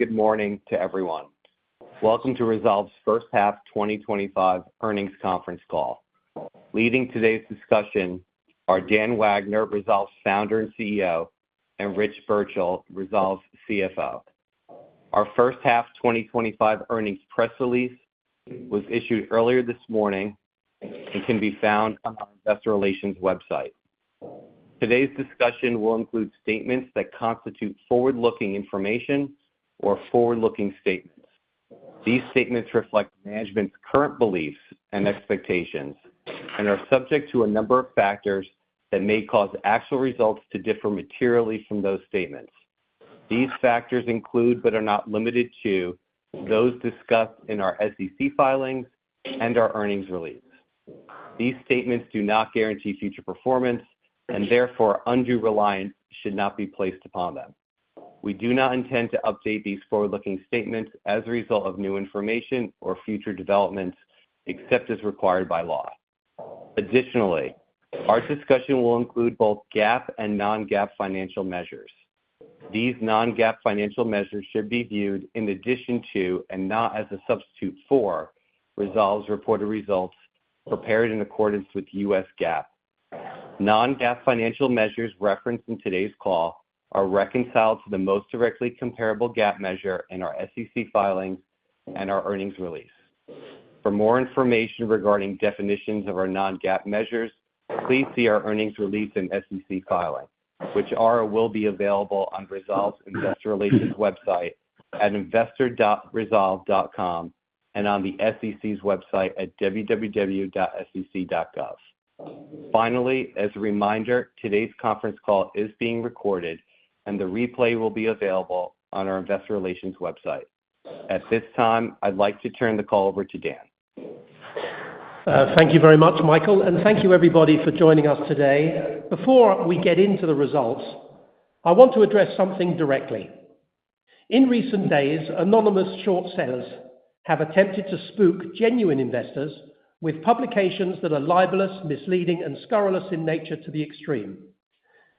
Good morning to everyone. Welcome to Rezolve's first half 2025 earnings conference call. Leading today's discussion are Dan Wagner, Rezolve's founder and CEO, and Rich Burchill, Rezolve's CFO. Our first half 2025 earnings press release was issued earlier this morning and can be found on our Investor Relations website. Today's discussion will include statements that constitute forward-looking information or forward-looking statements. These statements reflect management's current beliefs and expectations and are subject to a number of factors that may cause actual results to differ materially from those statements. These factors include, but are not limited to, those discussed in our SEC filings and our earnings release. These statements do not guarantee future performance, and therefore undue reliance should not be placed upon them. We do not intend to update these forward-looking statements as a result of new information or future developments except as required by law. Additionally, our discussion will include both GAAP and non-GAAP financial measures. These non-GAAP financial measures should be viewed in addition to and not as a substitute for Rezolve's reported results prepared in accordance with U.S. GAAP. Non-GAAP financial measures referenced in today's call are reconciled to the most directly comparable GAAP measure in our SEC filings and our earnings release. For more information regarding definitions of our non-GAAP measures, please see our earnings release and SEC filing, which are and will be available on Rezolve's Investor Relations website at investor.rezolve.com and on the SEC's website at www.sec.gov. Finally, as a reminder, today's conference call is being recorded, and the replay will be available on our Investor Relations website. At this time, I'd like to turn the call over to Dan. Thank you very much, Michael, and thank you, everybody, for joining us today. Before we get into the results, I want to address something directly. In recent days, anonymous short sellers have attempted to spook genuine investors with publications that are libelous, misleading, and scurrilous in nature to the extreme.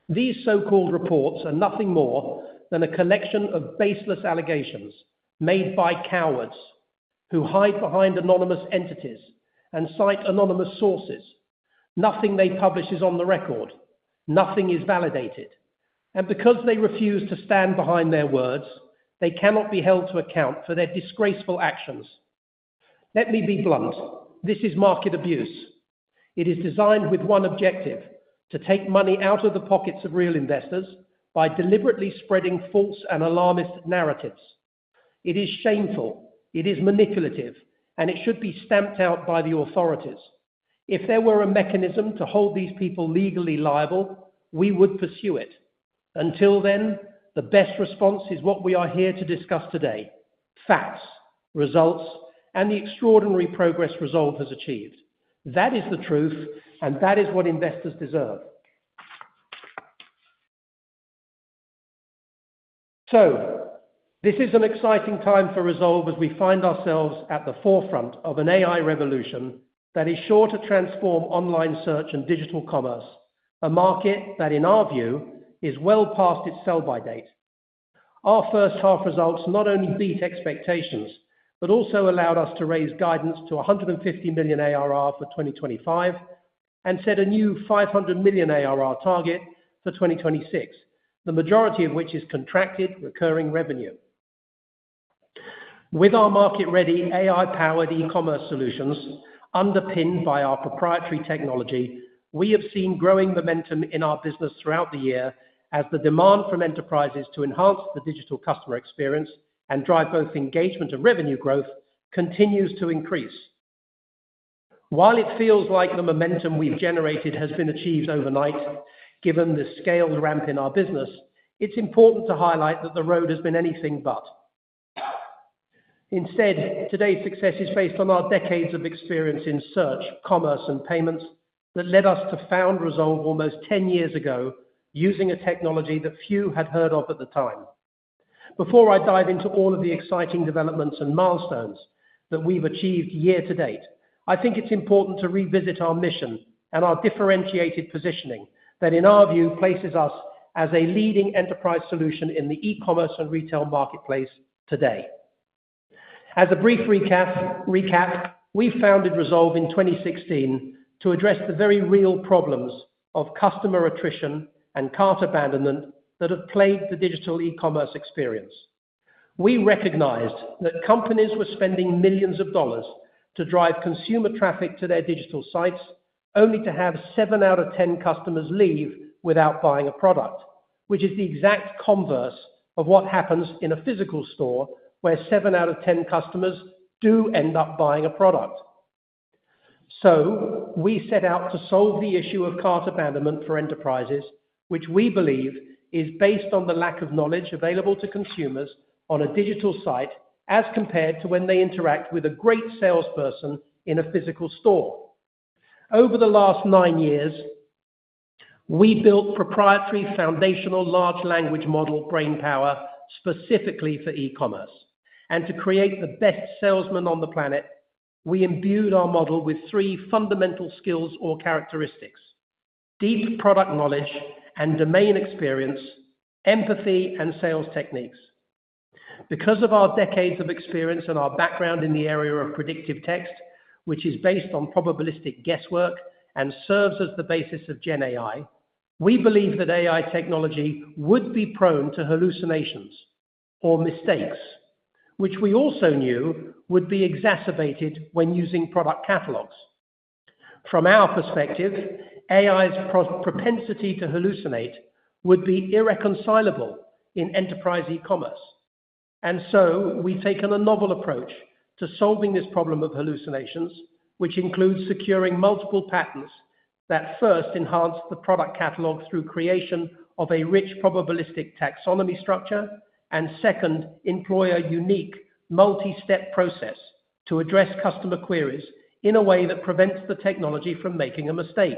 These so-called reports are nothing more than a collection of baseless allegations made by cowards who hide behind anonymous entities and cite anonymous sources. Nothing they publish is on the record. Nothing is validated. And because they refuse to stand behind their words, they cannot be held to account for their disgraceful actions. Let me be blunt. This is market abuse. It is designed with one objective: to take money out of the pockets of real investors by deliberately spreading false and alarmist narratives. It is shameful. It is manipulative, and it should be stamped out by the authorities. If there were a mechanism to hold these people legally liable, we would pursue it. Until then, the best response is what we are here to discuss today: facts, results, and the extraordinary progress Rezolve has achieved. That is the truth, and that is what investors deserve. So, this is an exciting time for Rezolve as we find ourselves at the forefront of an AI revolution that is sure to transform online search and digital commerce, a market that, in our view, is well past its sell-by date. Our first half results not only beat expectations but also allowed us to raise guidance to $150 million ARR for 2025 and set a new $500 million ARR target for 2026, the majority of which is contracted recurring revenue. With our market-ready, AI-powered e-commerce solutions, underpinned by our proprietary technology, we have seen growing momentum in our business throughout the year as the demand from enterprises to enhance the digital customer experience and drive both engagement and revenue growth continues to increase. While it feels like the momentum we've generated has been achieved overnight, given the scale ramp in our business, it's important to highlight that the road has been anything but. Instead, today's success is based on our decades of experience in search, commerce, and payments that led us to found Rezolve almost 10 years ago using a technology that few had heard of at the time. Before I dive into all of the exciting developments and milestones that we've achieved year-to-date, I think it's important to revisit our mission and our differentiated positioning that, in our view, places us as a leading enterprise solution in the e-commerce and retail marketplace today. As a brief recap, we founded Rezolve in 2016 to address the very real problems of customer attrition and cart abandonment that have plagued the digital e-commerce experience. We recognized that companies were spending millions of dollars to drive consumer traffic to their digital sites only to have seven out of 10 customers leave without buying a product, which is the exact converse of what happens in a physical store where seven out of 10 customers do end up buying a product. So, we set out to solve the issue of cart abandonment for enterprises, which we believe is based on the lack of knowledge available to consumers on a digital site as compared to when they interact with a great salesperson in a physical store. Over the last nine years, we built proprietary foundational large language model brainpowa specifically for e-commerce. And to create the best salesman on the planet, we imbued our model with three fundamental skills or characteristics: deep product knowledge and domain experience, empathy, and sales techniques. Because of our decades of experience and our background in the area of predictive text, which is based on probabilistic guesswork and serves as the basis of GenAI, we believe that AI technology would be prone to hallucinations or mistakes, which we also knew would be exacerbated when using product catalogs. From our perspective, AI's propensity to hallucinate would be irreconcilable in enterprise e-commerce. And so, we've taken a novel approach to solving this problem of hallucinations, which includes securing multiple patents that, first, enhance the product catalog through creation of a rich probabilistic taxonomy structure, and second, employ a unique multi-step process to address customer queries in a way that prevents the technology from making a mistake.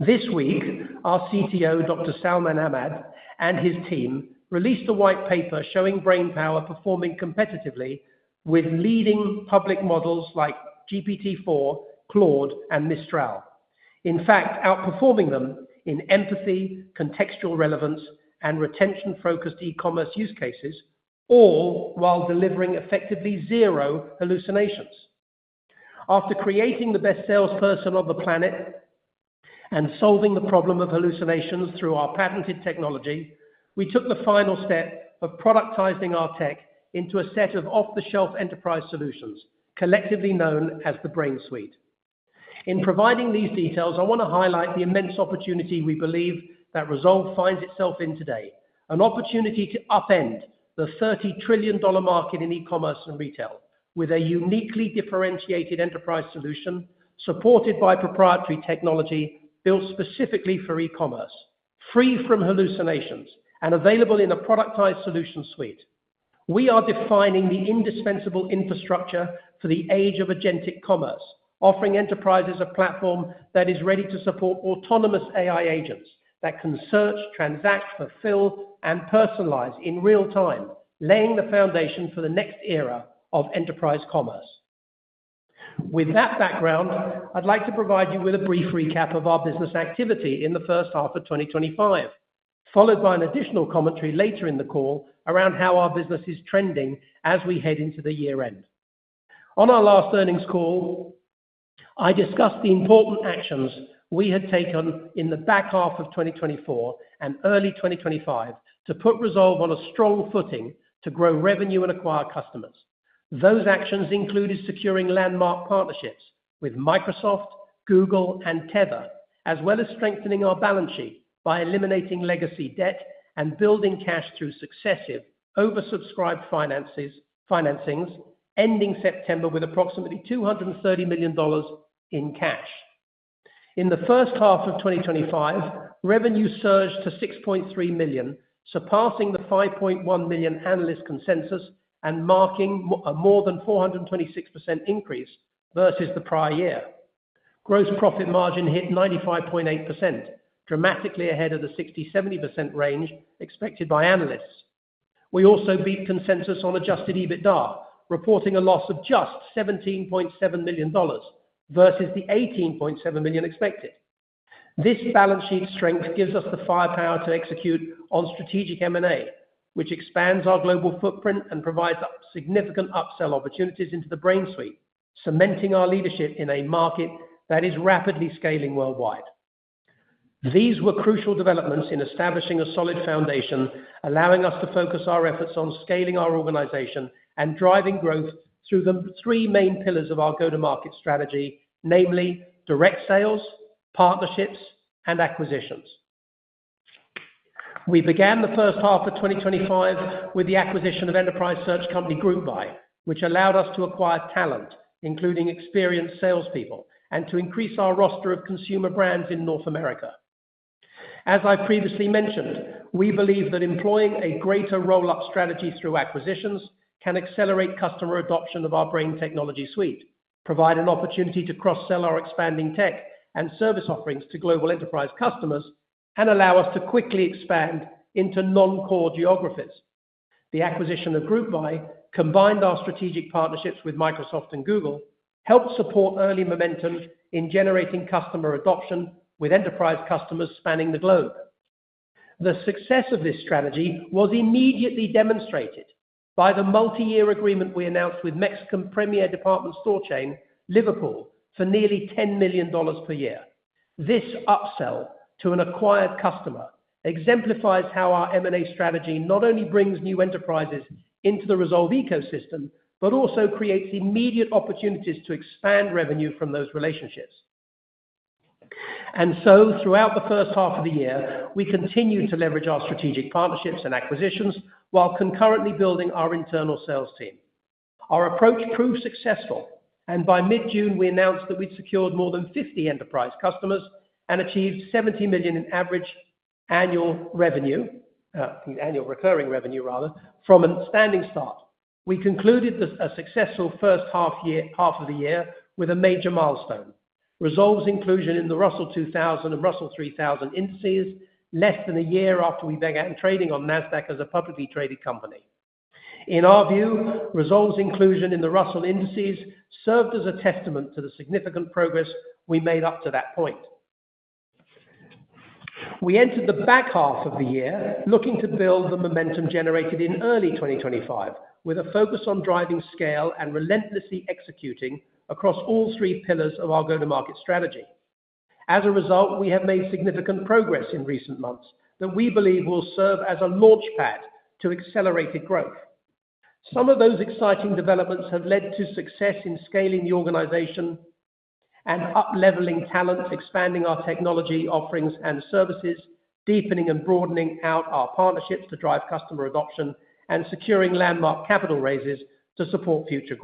This week, our CTO, Dr. Salman Ahmad, and his team released a white paper showing brainpowa performing competitively with leading public models like GPT-4, Claude, and Mistral, in fact, outperforming them in empathy, contextual relevance, and retention-focused e-commerce use cases, all while delivering effectively zero hallucinations. After creating the best salesperson on the planet and solving the problem of hallucinations through our patented technology, we took the final step of productizing our tech into a set of off-the-shelf enterprise solutions collectively known as the Brain Suite. In providing these details, I want to highlight the immense opportunity we believe that Rezolve finds itself in today: an opportunity to upend the $30 trillion market in e-commerce and retail with a uniquely differentiated enterprise solution supported by proprietary technology built specifically for e-commerce, free from hallucinations, and available in a productized solution suite. We are defining the indispensable infrastructure for the age of agentic commerce, offering enterprises a platform that is ready to support autonomous AI agents that can search, transact, fulfill, and personalize in real time, laying the foundation for the next era of enterprise commerce. With that background, I'd like to provide you with a brief recap of our business activity in the first half of 2025, followed by an additional commentary later in the call around how our business is trending as we head into the year-end. On our last earnings call, I discussed the important actions we had taken in the back half of 2024 and early 2025 to put Rezolve on a strong footing to grow revenue and acquire customers. Those actions included securing landmark partnerships with Microsoft, Google, and Tether, as well as strengthening our balance sheet by eliminating legacy debt and building cash through successive oversubscribed financings, ending September with approximately $230 million in cash. In the first half of 2025, revenue surged to $6.3 million, surpassing the $5.1 million analyst consensus and marking a more than 426% increase versus the prior year. Gross profit margin hit 95.8%, dramatically ahead of the 60%-70% range expected by analysts. We also beat consensus on Adjusted EBITDA, reporting a loss of just $17.7 million versus the $18.7 million expected. This balance sheet strength gives us the firepower to execute on strategic M&A, which expands our global footprint and provides significant upsell opportunities into the Brain Suite, cementing our leadership in a market that is rapidly scaling worldwide. These were crucial developments in establishing a solid foundation, allowing us to focus our efforts on scaling our organization and driving growth through the three main pillars of our go-to-market strategy, namely direct sales, partnerships, and acquisitions. We began the first half of 2025 with the acquisition of enterprise search company GroupBy, which allowed us to acquire talent, including experienced salespeople, and to increase our roster of consumer brands in North America. As I previously mentioned, we believe that employing a greater roll-up strategy through acquisitions can accelerate customer adoption of our Brain Suite, provide an opportunity to cross-sell our expanding tech and service offerings to global enterprise customers, and allow us to quickly expand into non-core geographies. The acquisition of GroupBy, combined with our strategic partnerships with Microsoft and Google, helped support early momentum in generating customer adoption with enterprise customers spanning the globe. The success of this strategy was immediately demonstrated by the multi-year agreement we announced with Mexican premier department store chain, Liverpool, for nearly $10 million per year. This upsell to an acquired customer exemplifies how our M&A strategy not only brings new enterprises into the Rezolve ecosystem but also creates immediate opportunities to expand revenue from those relationships. Throughout the first half of the year, we continued to leverage our strategic partnerships and acquisitions while concurrently building our internal sales team. Our approach proved successful, and by mid-June, we announced that we'd secured more than 50 enterprise customers and achieved $70 million in average annual revenue, annual recurring revenue, rather, from a standing start. We concluded a successful first half of the year with a major milestone: Rezolve's inclusion in the Russell 2000 and Russell 3000 Indexes, less than a year after we began trading on Nasdaq as a publicly traded company. In our view, Rezolve's inclusion in the Russell Indexes served as a testament to the significant progress we made up to that point. We entered the back half of the year looking to build the momentum generated in early 2025 with a focus on driving scale and relentlessly executing across all three pillars of our go-to-market strategy. As a result, we have made significant progress in recent months that we believe will serve as a launchpad to accelerated growth. Some of those exciting developments have led to success in scaling the organization and up-leveling talent, expanding our technology offerings and services, deepening and broadening out our partnerships to drive customer adoption, and securing landmark capital raises to support future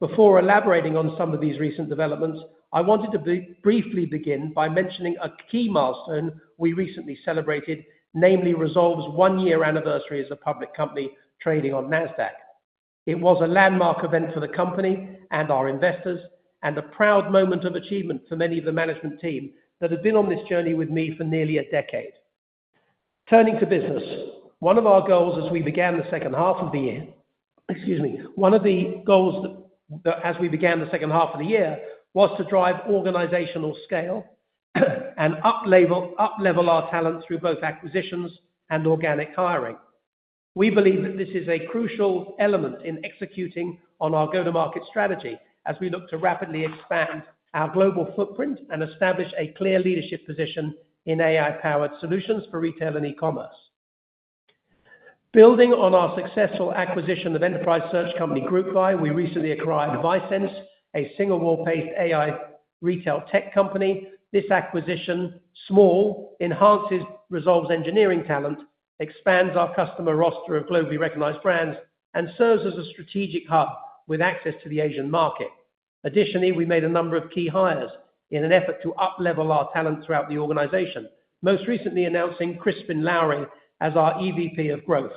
growth. Before elaborating on some of these recent developments, I wanted to briefly begin by mentioning a key milestone we recently celebrated, namely Rezolve's one-year anniversary as a public company trading on Nasdaq. It was a landmark event for the company and our investors and a proud moment of achievement for many of the management team that have been on this journey with me for nearly a decade. Turning to business, one of our goals as we began the second half of the year, excuse me, one of the goals as we began the second half of the year was to drive organizational scale and up-level our talent through both acquisitions and organic hiring. We believe that this is a crucial element in executing on our go-to-market strategy as we look to rapidly expand our global footprint and establish a clear leadership position in AI-powered solutions for retail and e-commerce. Building on our successful acquisition of enterprise search company GroupBy, we recently acquired ViSenze, a Singapore-based AI retail tech company. This small acquisition enhances Rezolve's engineering talent, expands our customer roster of globally recognized brands, and serves as a strategic hub with access to the Asian market. Additionally, we made a number of key hires in an effort to up-level our talent throughout the organization, most recently announcing Crispin Lowery as our EVP of Growth.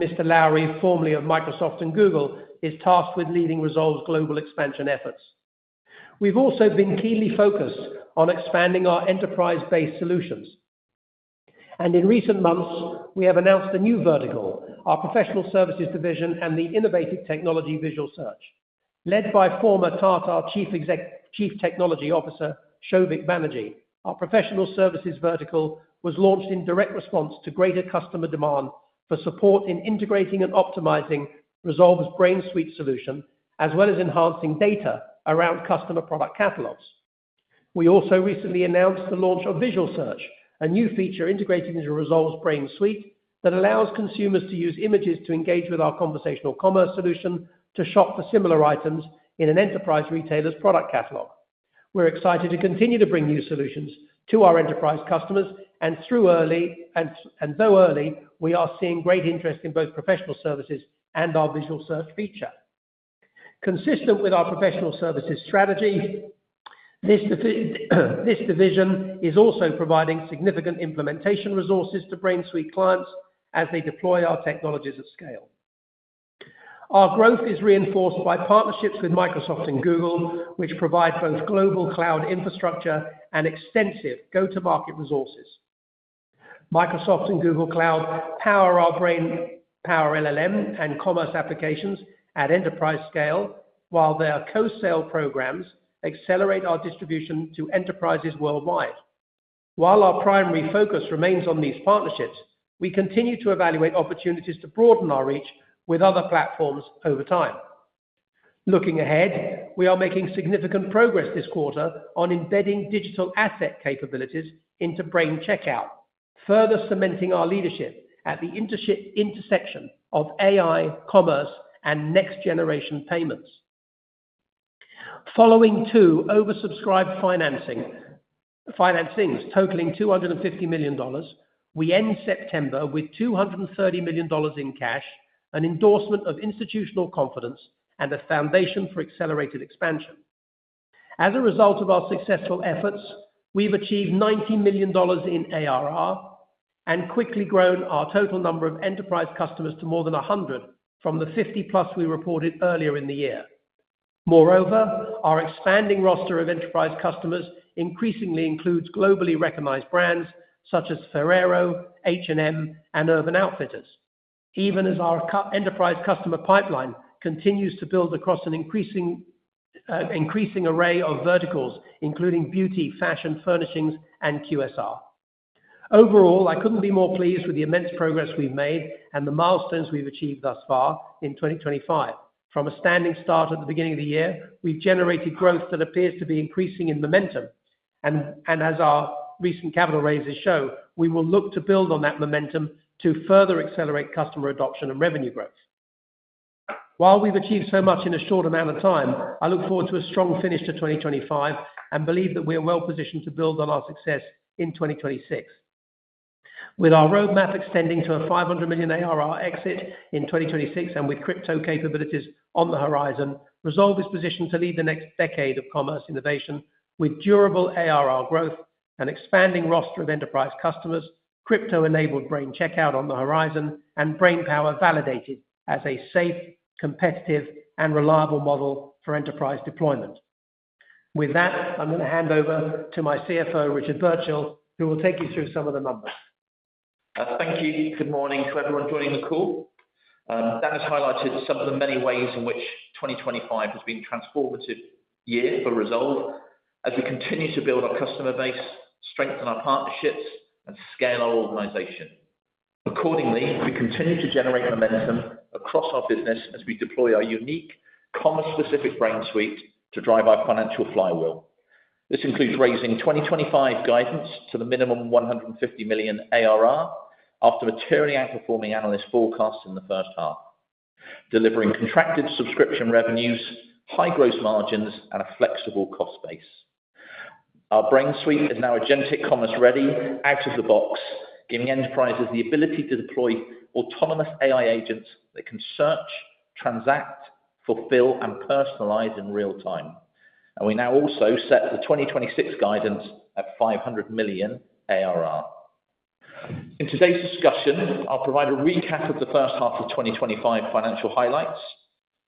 Mr. Lowery, formerly of Microsoft and Google, is tasked with leading Rezolve's global expansion efforts. We've also been keenly focused on expanding our enterprise-based solutions. In recent months, we have announced a new vertical: our Professional Services division and the innovative technology Visual Search. Led by former Tata Chief Technology Officer, Sauvik Banerjjee, our Professional Services vertical was launched in direct response to greater customer demand for support in integrating and optimizing Rezolve's Brain Suite solution, as well as enhancing data around customer product catalogs. We also recently announced the launch of Visual Search, a new feature integrating into Rezolve's Brain Suite that allows consumers to use images to engage with our conversational commerce solution to shop for similar items in an enterprise retailer's product catalog. We're excited to continue to bring new solutions to our enterprise customers, and though early, we are seeing great interest in both Professional Services and our Visual Search feature. Consistent with our Professional Services strategy, this division is also providing significant implementation resources to Brain Suite clients as they deploy our technologies at scale. Our growth is reinforced by partnerships with Microsoft and Google, which provide both global cloud infrastructure and extensive go-to-market resources. Microsoft and Google Cloud power our brainpowa LLM and commerce applications at enterprise scale, while their co-sell programs accelerate our distribution to enterprises worldwide. While our primary focus remains on these partnerships, we continue to evaluate opportunities to broaden our reach with other platforms over time. Looking ahead, we are making significant progress this quarter on embedding digital asset capabilities into Brain Checkout, further cementing our leadership at the intersection of AI, commerce, and next-generation payments. Following two oversubscribed financings, totaling $250 million, we end September with $230 million in cash, an endorsement of institutional confidence, and a foundation for accelerated expansion. As a result of our successful efforts, we've achieved $90 million in ARR and quickly grown our total number of enterprise customers to more than 100 from the 50-plus we reported earlier in the year. Moreover, our expanding roster of enterprise customers increasingly includes globally recognized brands such as Ferrero, H&M, and Urban Outfitters, even as our enterprise customer pipeline continues to build across an increasing array of verticals, including beauty, fashion, furnishings, and QSR. Overall, I couldn't be more pleased with the immense progress we've made and the milestones we've achieved thus far in 2025. From a standing start at the beginning of the year, we've generated growth that appears to be increasing in momentum. And as our recent capital raises show, we will look to build on that momentum to further accelerate customer adoption and revenue growth. While we've achieved so much in a short amount of time, I look forward to a strong finish to 2025 and believe that we are well-positioned to build on our success in 2026. With our roadmap extending to a $500 million ARR exit in 2026 and with crypto capabilities on the horizon, Rezolve is positioned to lead the next decade of commerce innovation with durable ARR growth and an expanding roster of enterprise customers, crypto-enabled Brain Checkout on the horizon, and brainpowa validated as a safe, competitive, and reliable model for enterprise deployment. With that, I'm going to hand over to my CFO, Richard Burchill, who will take you through some of the numbers. Thank you. Good morning to everyone joining the call. That has highlighted some of the many ways in which 2025 has been a transformative year for Rezolve as we continue to build our customer base, strengthen our partnerships, and scale our organization. Accordingly, we continue to generate momentum across our business as we deploy our unique commerce-specific Brain Suite to drive our financial flywheel. This includes raising 2025 guidance to the minimum $150 million ARR after materially outperforming analyst forecasts in the first half, delivering contracted subscription revenues, high gross margins, and a flexible cost base. Our Brain Suite is now agentic commerce-ready, out-of-the-box, giving enterprises the ability to deploy autonomous AI agents that can search, transact, fulfill, and personalize in real time, and we now also set the 2026 guidance at $500 million ARR. In today's discussion, I'll provide a recap of the first half of 2025 financial highlights,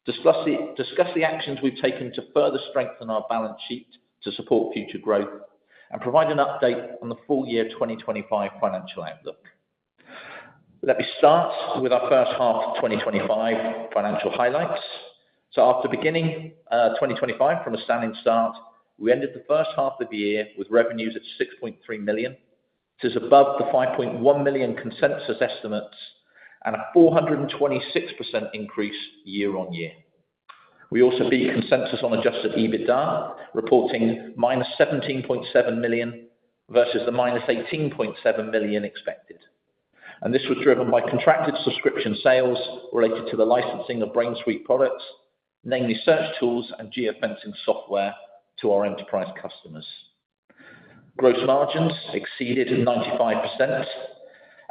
discuss the actions we've taken to further strengthen our balance sheet to support future growth, and provide an update on the full year 2025 financial outlook. Let me start with our first half of 2025 financial highlights, so after beginning 2025 from a standing start, we ended the first half of the year with revenues at $6.3 million. This is above the $5.1 million consensus estimates and a 426% increase year-on-year. We also beat consensus on Adjusted EBITDA, reporting minus $17.7 million versus the minus $18.7 million expected. And this was driven by contracted subscription sales related to the licensing of Brain Suite products, namely search tools and geofencing software, to our enterprise customers. Gross margins exceeded 95%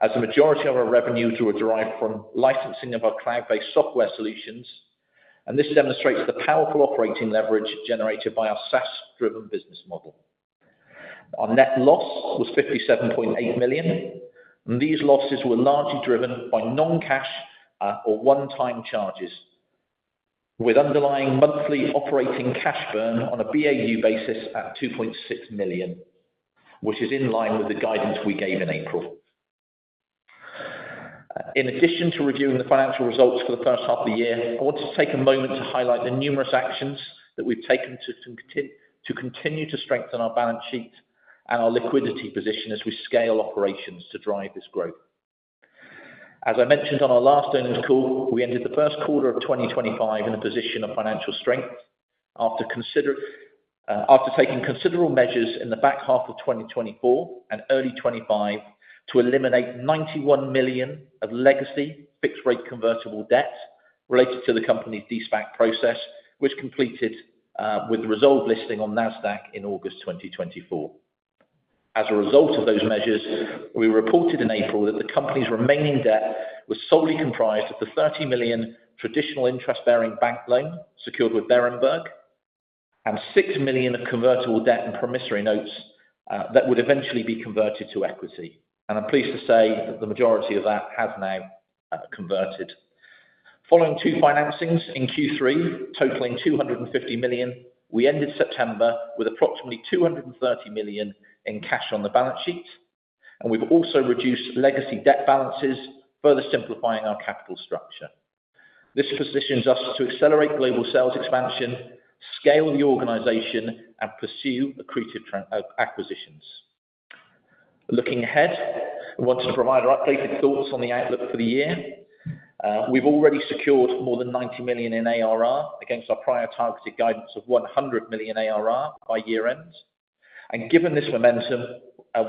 as a majority of our revenue was derived from licensing of our cloud-based software solutions, and this demonstrates the powerful operating leverage generated by our SaaS-driven business model. Our net loss was $57.8 million, and these losses were largely driven by non-cash or one-time charges, with underlying monthly operating cash burn on a BAU basis at $2.6 million, which is in line with the guidance we gave in April. In addition to reviewing the financial results for the first half of the year, I want to take a moment to highlight the numerous actions that we've taken to continue to strengthen our balance sheet and our liquidity position as we scale operations to drive this growth. As I mentioned on our last earnings call, we ended the first quarter of 2025 in a position of financial strength after taking considerable measures in the back half of 2024 and early 2025 to eliminate $91 million of legacy fixed-rate convertible debt related to the company's de-SPAC process, which completed with the Rezolve listing on Nasdaq in August 2024. As a result of those measures, we reported in April that the company's remaining debt was solely comprised of the $30 million traditional interest-bearing bank loan secured with Berenberg and $6 million of convertible debt and promissory notes that would eventually be converted to equity, and I'm pleased to say that the majority of that has now converted. Following two financings in Q3 totaling $250 million, we ended September with approximately $230 million in cash on the balance sheet, and we've also reduced legacy debt balances, further simplifying our capital structure. This positions us to accelerate global sales expansion, scale the organization, and pursue accretive acquisitions. Looking ahead, I want to provide our updated thoughts on the outlook for the year. We've already secured more than $90 million in ARR against our prior targeted guidance of $100 million ARR by year-end. Given this momentum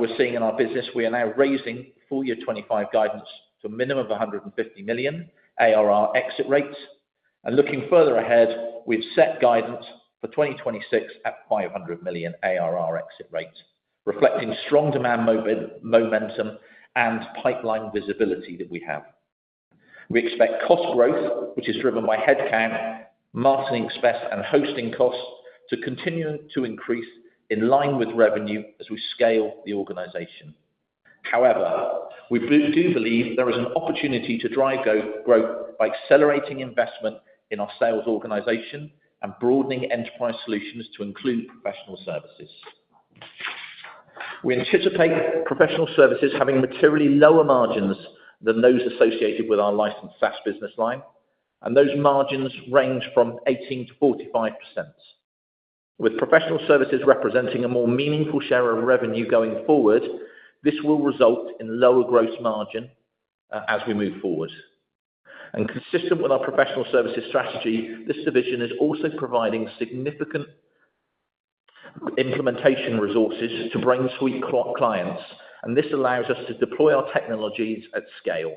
we're seeing in our business, we are now raising full year 2025 guidance to a minimum of $150 million ARR exit rate. Looking further ahead, we've set guidance for 2026 at $500 million ARR exit rate, reflecting strong demand momentum and pipeline visibility that we have. We expect cost growth, which is driven by headcount, marketing expense, and hosting costs, to continue to increase in line with revenue as we scale the organization. However, we do believe there is an opportunity to drive growth by accelerating investment in our sales organization and broadening enterprise solutions to include Professional Services. We anticipate Professional Services having materially lower margins than those associated with our licensed SaaS business line, and those margins range from 18%-45%. With Professional Services representing a more meaningful share of revenue going forward, this will result in lower gross margin as we move forward, and consistent with our Professional Services strategy, this division is also providing significant implementation resources to Brain Suite clients, and this allows us to deploy our technologies at scale.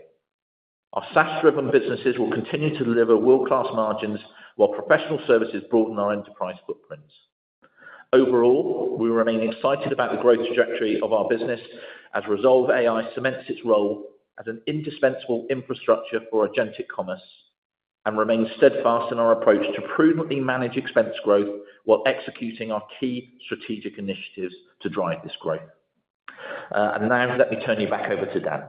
Our SaaS-driven businesses will continue to deliver world-class margins while Professional Services broaden our enterprise footprints. Overall, we remain excited about the growth trajectory of our business as Rezolve Ai cements its role as an indispensable infrastructure for agentic commerce and remains steadfast in our approach to prudently manage expense growth while executing our key strategic initiatives to drive this growth, and now, let me turn you back over to Dan.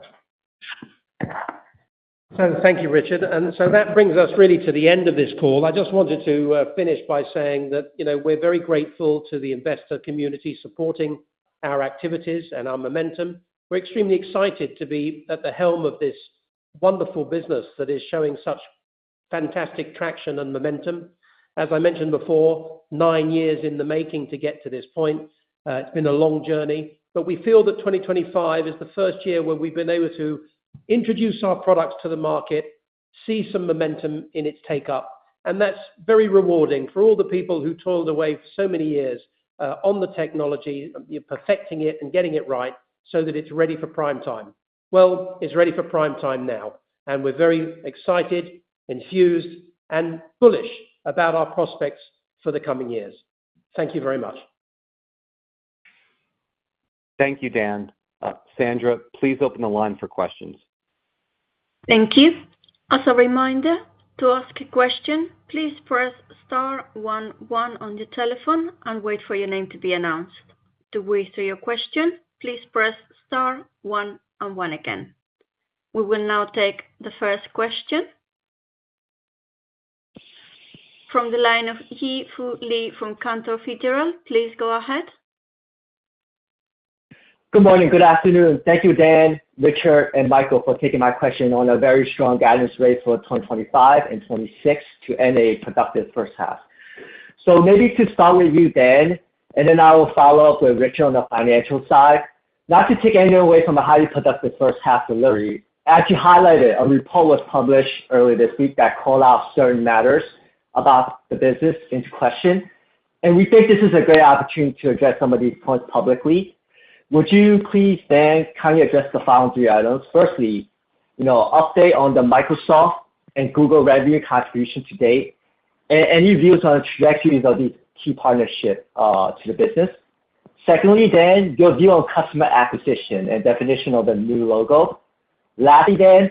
Thank you, Richard, and so that brings us really to the end of this call. I just wanted to finish by saying that we're very grateful to the investor community supporting our activities and our momentum. We're extremely excited to be at the helm of this wonderful business that is showing such fantastic traction and momentum. As I mentioned before, nine years in the making to get to this point. It's been a long journey, but we feel that 2025 is the first year where we've been able to introduce our products to the market, see some momentum in its take-up, and that's very rewarding for all the people who toiled away for so many years on the technology, perfecting it and getting it right so that it's ready for prime time, well, it's ready for prime time now, and we're very excited, enthused, and bullish about our prospects for the coming years. Thank you very much. Thank you, Dan. Sandra, please open the line for questions. Thank you. As a reminder, to ask a question, please press star one one on your telephone and wait for your name to be announced. To wait for your question, please press star one one again. We will now take the first question from the line of Yi Fu Lee from Cantor Fitzgerald. Please go ahead. Good morning. Good afternoon. Thank you, Dan, Richard, and Michael for taking my question on a very strong guidance rate for 2025 and 2026 to end a productive first half. So maybe to start with you, Dan, and then I will follow up with Richard on the financial side. Not to take anything away from a highly productive first half delivery. As you highlighted, a report was published earlier this week that called out certain matters about the business into question. We think this is a great opportunity to address some of these points publicly. Would you please, Dan, kindly address the following three items? Firstly, an update on the Microsoft and Google revenue contribution to date and any views on the trajectories of these key partnerships to the business. Secondly, Dan, your view on customer acquisition and definition of the new logo. Lastly, Dan,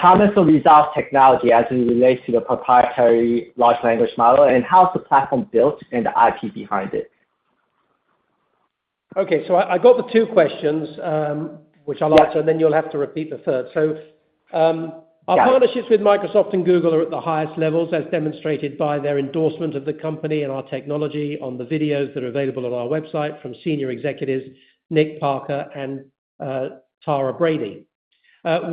comments on Rezolve's technology as it relates to the proprietary large language model and how's the platform built and the IP behind it. Okay. I got the two questions, which I'll answer, and then you'll have to repeat the third. Our partnerships with Microsoft and Google are at the highest levels, as demonstrated by their endorsement of the company and our technology on the videos that are available on our website from senior executives, Nick Parker and Tara Brady.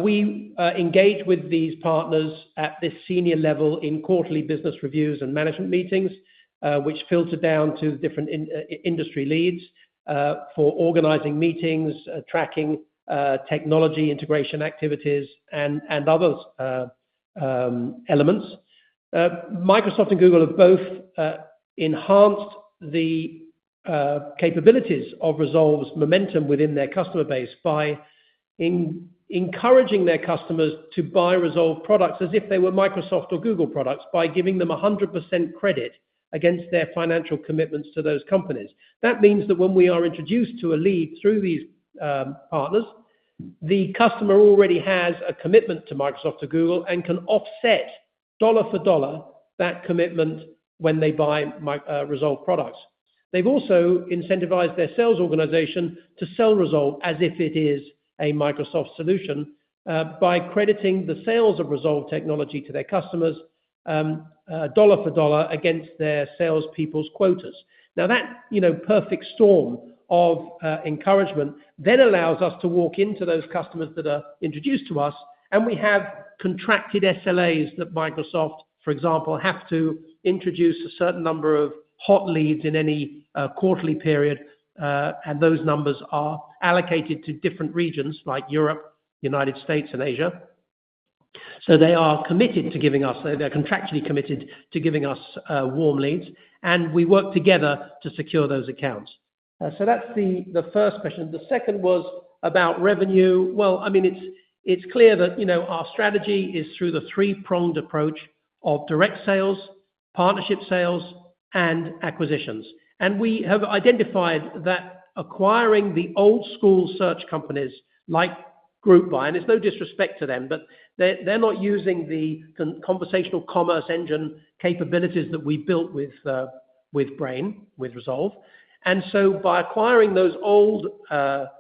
We engage with these partners at this senior level in quarterly business reviews and management meetings, which filter down to different industry leads for organizing meetings, tracking technology integration activities, and other elements. Microsoft and Google have both enhanced the capabilities of Rezolve's momentum within their customer base by encouraging their customers to buy Rezolve products as if they were Microsoft or Google products by giving them 100% credit against their financial commitments to those companies. That means that when we are introduced to a lead through these partners, the customer already has a commitment to Microsoft or Google and can offset dollar for dollar that commitment when they buy Rezolve products. They've also incentivized their sales organization to sell Rezolve as if it is a Microsoft solution by crediting the sales of Rezolve technology to their customers dollar for dollar against their salespeople's quotas. Now, that perfect storm of encouragement then allows us to walk into those customers that are introduced to us, and we have contracted SLAs that Microsoft, for example, have to introduce a certain number of hot leads in any quarterly period, and those numbers are allocated to different regions like Europe, the United States, and Asia. So they are committed to giving us. They're contractually committed to giving us warm leads, and we work together to secure those accounts. So that's the first question. The second was about revenue. Well, I mean, it's clear that our strategy is through the three-pronged approach of direct sales, partnership sales, and acquisitions. And we have identified that acquiring the old-school search companies like GroupBy, and it's no disrespect to them, but they're not using the conversational commerce engine capabilities that we built with Brain, with Rezolve. And so by acquiring those old-style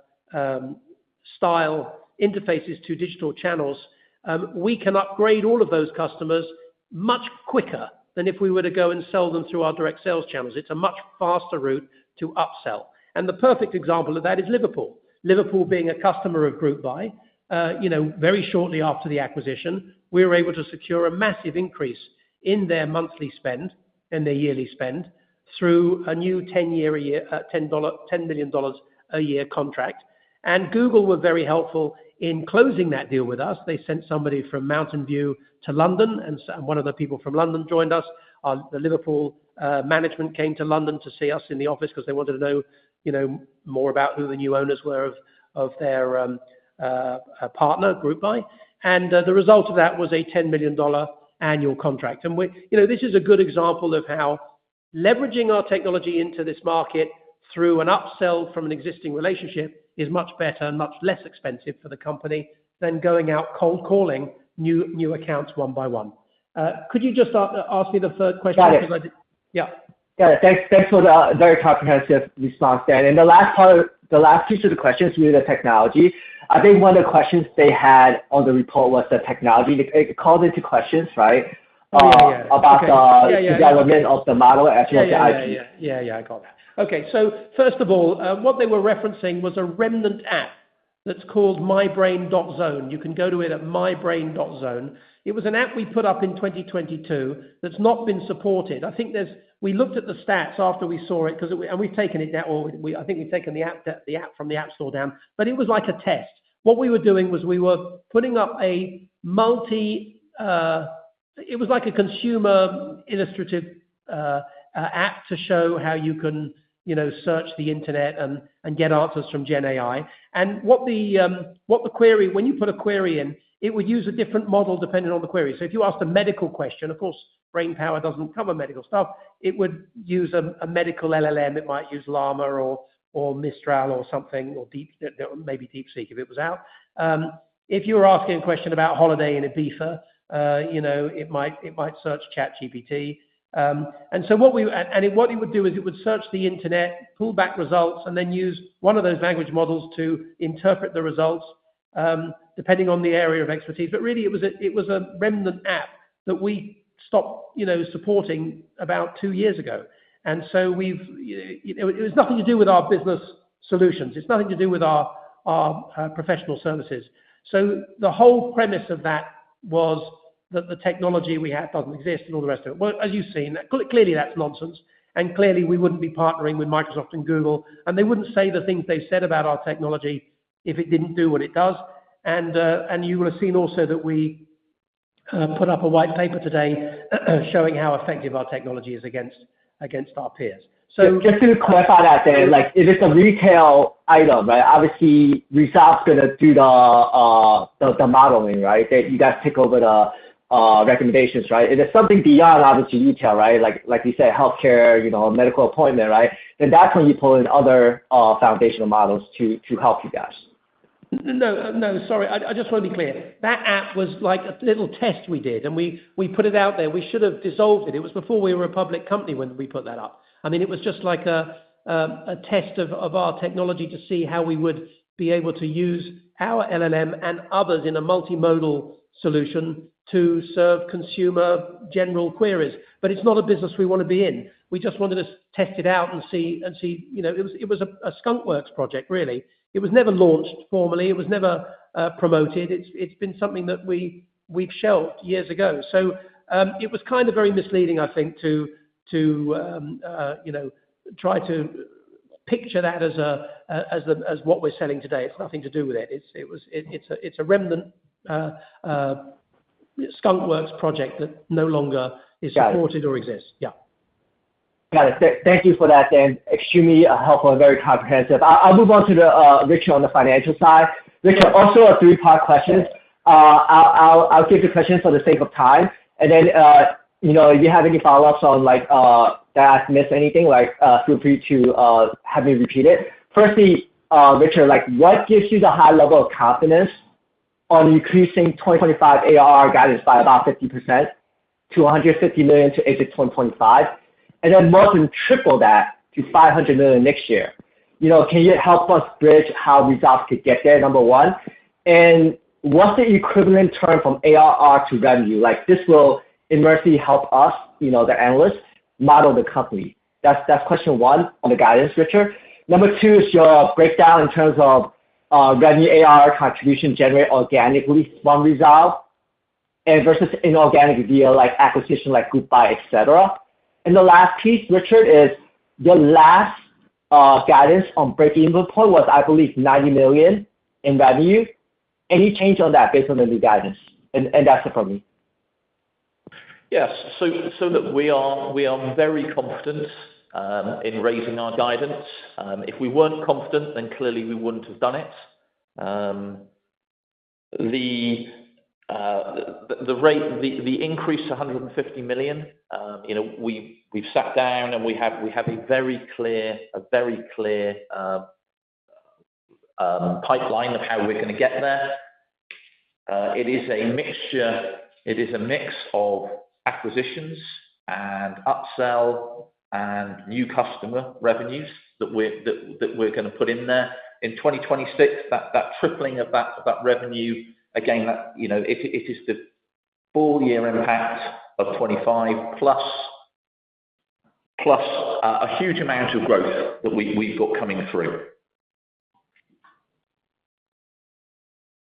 interfaces to digital channels, we can upgrade all of those customers much quicker than if we were to go and sell them through our direct sales channels. It's a much faster route to upsell. And the perfect example of that is Liverpool. Liverpool being a customer of GroupBy, very shortly after the acquisition, we were able to secure a massive increase in their monthly spend and their yearly spend through a new $10 million a year contract. And Google were very helpful in closing that deal with us. They sent somebody from Mountain View to London, and one of the people from London joined us. The Liverpool management came to London to see us in the office because they wanted to know more about who the new owners were of their partner, GroupBy. And the result of that was a $10 million annual contract. This is a good example of how leveraging our technology into this market through an upsell from an existing relationship is much better and much less expensive for the company than going out cold-calling new accounts one by one. Could you just ask me the third question? Yeah. Thanks for the very comprehensive response, Dan. The last piece of the question is really the technology. I think one of the questions they had on the report was the technology. It called into questions, right, about the development of the model as well as the IP. Yeah, yeah, yeah. I got that. Okay. So first of all, what they were referencing was a remnant app that's called mybrain.zone. You can go to it at mybrain.zone. It was an app we put up in 2022 that's not been supported. I think we looked at the stats after we saw it, and we've taken it down. I think we've taken the app from the App Store down, but it was like a test. What we were doing was we were putting up, it was like a consumer illustrative app to show how you can search the internet and get answers from GenAI. And what the query, when you put a query in, it would use a different model depending on the query. So if you asked a medical question, of course, brainpowa doesn't cover medical stuff. It would use a medical LLM. It might use Llama or Mistral or something, or maybe DeepSeek if it was out. If you were asking a question about holiday in Ibiza, it might search ChatGPT. And so what we, and what it would do is it would search the internet, pull back results, and then use one of those language models to interpret the results depending on the area of expertise. But really, it was a remnant app that we stopped supporting about two years ago. And so it was nothing to do with our business solutions. It's nothing to do with our Professional Services. So the whole premise of that was that the technology we had doesn't exist and all the rest of it. Well, as you've seen, clearly, that's nonsense. And clearly, we wouldn't be partnering with Microsoft and Google, and they wouldn't say the things they've said about our technology if it didn't do what it does. And you will have seen also that we put up a white paper today showing how effective our technology is against our peers. So just to clarify that, Dan, if it's a retail item, right, obviously, Rezolve's going to do the modeling, right, that you guys take over the recommendations, right? If it's something beyond, obviously, retail, right, like you said, healthcare, medical appointment, right, then that's when you pull in other foundational models to help you guys. No, no, sorry. I just want to be clear. That app was like a little test we did, and we put it out there. We should have dissolved it. It was before we were a public company when we put that up. I mean, it was just like a test of our technology to see how we would be able to use our LLM and others in a multimodal solution to serve consumer general queries. But it's not a business we want to be in. We just wanted to test it out and see. It was a skunkworks project, really. It was never launched formally. It was never promoted. It's been something that we've shelved years ago. So it was kind of very misleading, I think, to try to picture that as what we're selling today. It's nothing to do with it. It's a remnant skunkworks project that no longer is supported or exists. Yeah. Got it. Thank you for that, Dan. Extremely helpful and very comprehensive. I'll move on to Richard on the financial side. Richard, also a three-part question. I'll keep the questions for the sake of time. And then if you have any follow-ups on that. If I've missed anything, feel free to have me repeat it. Firstly, Richard, what gives you the high level of confidence on increasing 2025 ARR guidance by about 50% to $150 million to exit 2025, and then more than triple that to $500 million next year? Can you help us bridge how Rezolve could get there, number one? And what's the equivalent term from ARR to revenue? This will immensely help us, the analysts, model the company. That's question one on the guidance, Richard. Number two is your breakdown in terms of revenue ARR contribution generated organically from Rezolve versus inorganic via acquisition like GroupBy, etc. And the last piece, Richard, is your last guidance on break-even point was, I believe, $90 million in revenue. Any change on that based on the new guidance? And that's it from me. Yes. So that we are very confident in raising our guidance. If we weren't confident, then clearly, we wouldn't have done it. The increase to $150 million, we've sat down, and we have a very clear pipeline of how we're going to get there. It is a mixture. It is a mix of acquisitions and upsell and new customer revenues that we're going to put in there. In 2026, that tripling of that revenue, again, it is the full-year impact of 2025 plus a huge amount of growth that we've got coming through.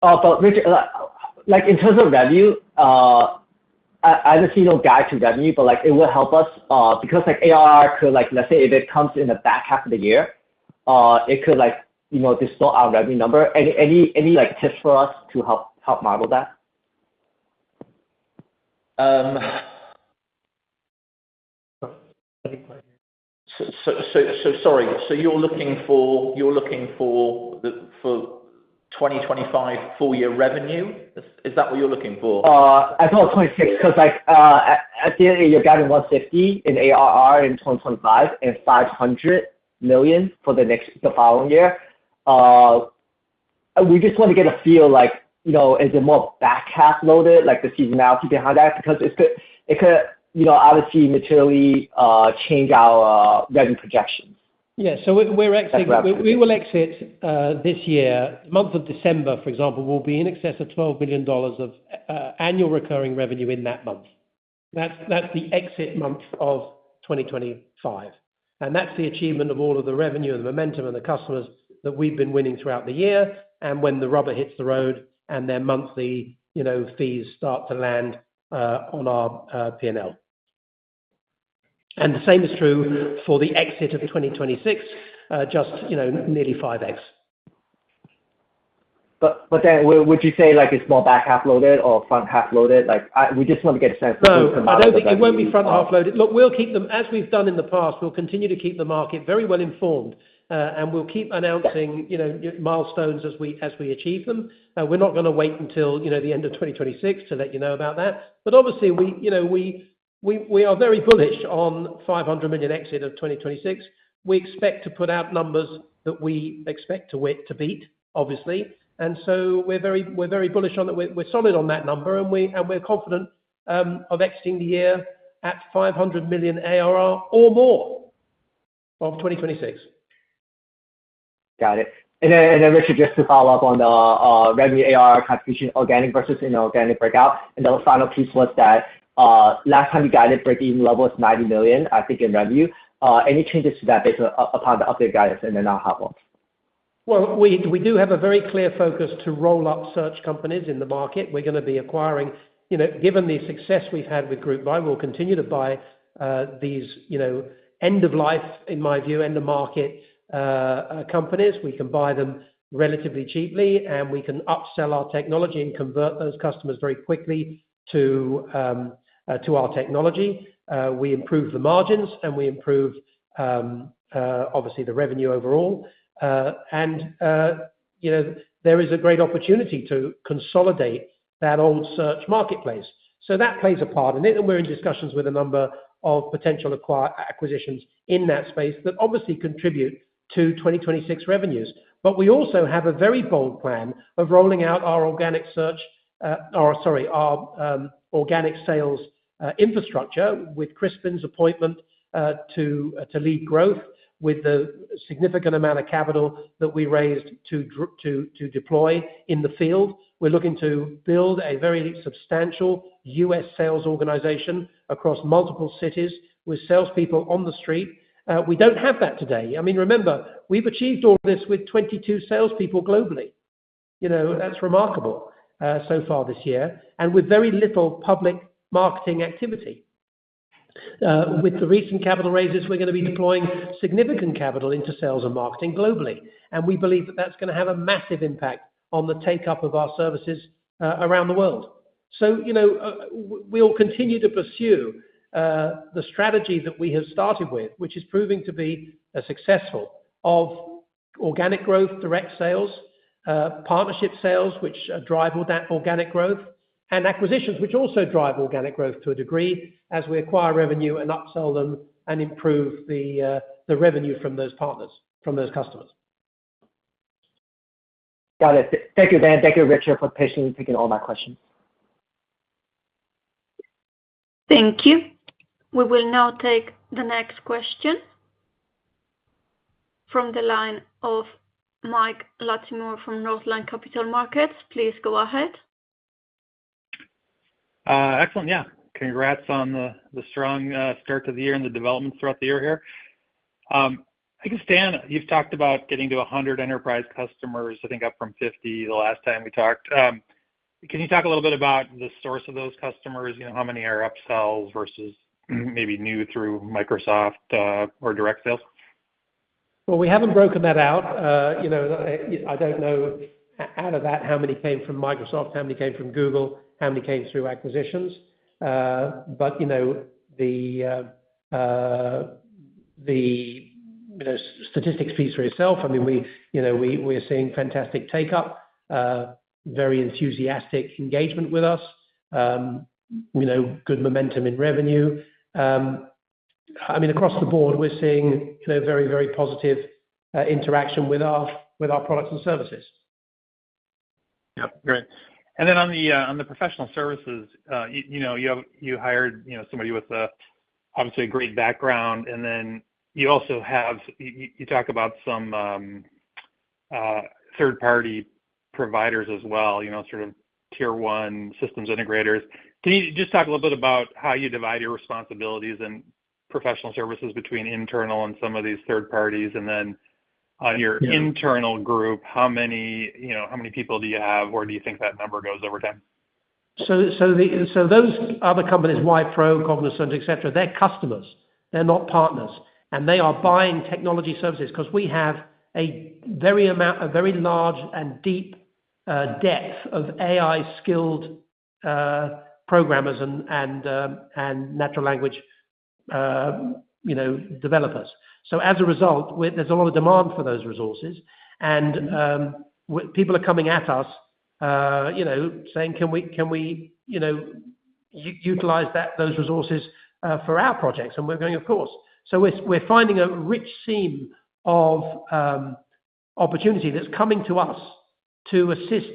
But Richard, in terms of revenue, I haven't seen no guide to revenue, but it will help us because ARR could, let's say, if it comes in the back half of the year, it could distort our revenue number. Any tips for us to help model that? So sorry. So you're looking for 2025 full-year revenue? Is that what you're looking for? I thought 2026 because at the end, you're guiding $150 million in ARR in 2025 and $500 million for the following year. We just want to get a feel like, is it more back half loaded, the seasonality behind that? Because it could obviously materially change our revenue projections. Yeah. So we will exit this year. The month of December, for example, will be in excess of $12 million of annual recurring revenue in that month. That's the exit month of 2025. And that's the achievement of all of the revenue and the momentum and the customers that we've been winning throughout the year and when the rubber hits the road and their monthly fees start to land on our P&L. And the same is true for the exit of 2026, just nearly 5x. But would you say it's more back half loaded or front half loaded? We just want to get a sense of who can model it. It won't be front half loaded. Look, we'll keep them as we've done in the past. We'll continue to keep the market very well-informed, and we'll keep announcing milestones as we achieve them. We're not going to wait until the end of 2026 to let you know about that. But obviously, we are very bullish on $500 million exit of 2026. We expect to put out numbers that we expect to beat, obviously. And so we're very bullish on that. We're solid on that number, and we're confident of exiting the year at $500 million ARR or more of 2026. Got it. And then, Richard, just to follow up on the revenue ARR contribution organic versus inorganic breakout. And the final piece was that last time you guided break-even level was $90 million, I think, in revenue. Any changes to that based upon the update guidance and then our outlook? Well, we do have a very clear focus to roll up search companies in the market. We're going to be acquiring, given the success we've had with GroupBy, we'll continue to buy these end-of-life, in my view, end-of-market companies. We can buy them relatively cheaply, and we can upsell our technology and convert those customers very quickly to our technology. We improve the margins, and we improve, obviously, the revenue overall. And there is a great opportunity to consolidate that old search marketplace. So that plays a part in it, and we're in discussions with a number of potential acquisitions in that space that obviously contribute to 2026 revenues. But we also have a very bold plan of rolling out our organic search, or sorry, our organic sales infrastructure with Crispin's appointment to lead growth with the significant amount of capital that we raised to deploy in the field. We're looking to build a very substantial U.S. sales organization across multiple cities with salespeople on the street. We don't have that today. I mean, remember, we've achieved all this with 22 salespeople globally. That's remarkable so far this year and with very little public marketing activity. With the recent capital raises, we're going to be deploying significant capital into sales and marketing globally. And we believe that that's going to have a massive impact on the take-up of our services around the world. So we'll continue to pursue the strategy that we have started with, which is proving to be successful, of organic growth, direct sales, partnership sales, which drive organic growth, and acquisitions, which also drive organic growth to a degree as we acquire revenue and upsell them and improve the revenue from those partners, from those customers. Got it. Thank you, Dan. Thank you, Richard, for patiently taking all my questions. Thank you. We will now take the next question from the line of Mike Latimore from Northland Capital Markets. Please go ahead. Excellent. Yeah. Congrats on the strong start to the year and the development throughout the year here. I guess, Dan, you've talked about getting to 100 enterprise customers, I think up from 50 the last time we talked. Can you talk a little bit about the source of those customers? How many are upsells versus maybe new through Microsoft or direct sales? Well, we haven't broken that out. I don't know out of that how many came from Microsoft, how many came from Google, how many came through acquisitions. But the statistics speak for themselves. I mean, we're seeing fantastic take-up, very enthusiastic engagement with us, good momentum in revenue. I mean, across the board, we're seeing very, very positive interaction with our products and services. Yep. Great. And then on the Professional Services, you hired somebody with obviously a great background, and then you also talked about some third-party providers as well, sort of tier-one systems integrators. Can you just talk a little bit about how you divide your responsibilities and Professional Services between internal and some of these third parties? And then on your internal group, how many people do you have, or do you think that number goes over time? So those other companies, Wipro, Cognizant, etc., they're customers. They're not partners. And they are buying technology services because we have a very large and deep depth of AI-skilled programmers and natural language developers. So as a result, there's a lot of demand for those resources, and people are coming at us saying, "Can we utilize those resources for our projects?" And we're going, "Of course." So we're finding a rich seam of opportunity that's coming to us to assist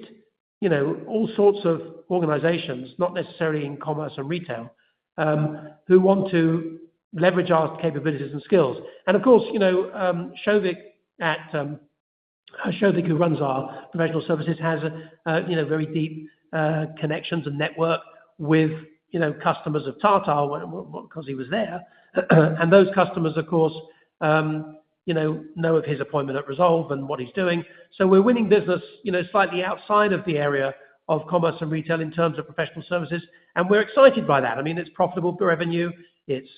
all sorts of organizations, not necessarily in commerce and retail, who want to leverage our capabilities and skills. And of course, Sauvik Banerjjee, who runs our Professional Services, has very deep connections and network with customers of Tata because he was there. Those customers, of course, know of his appointment at Rezolve and what he's doing. So we're winning business slightly outside of the area of commerce and retail in terms of Professional Services, and we're excited by that. I mean, it's profitable revenue. It's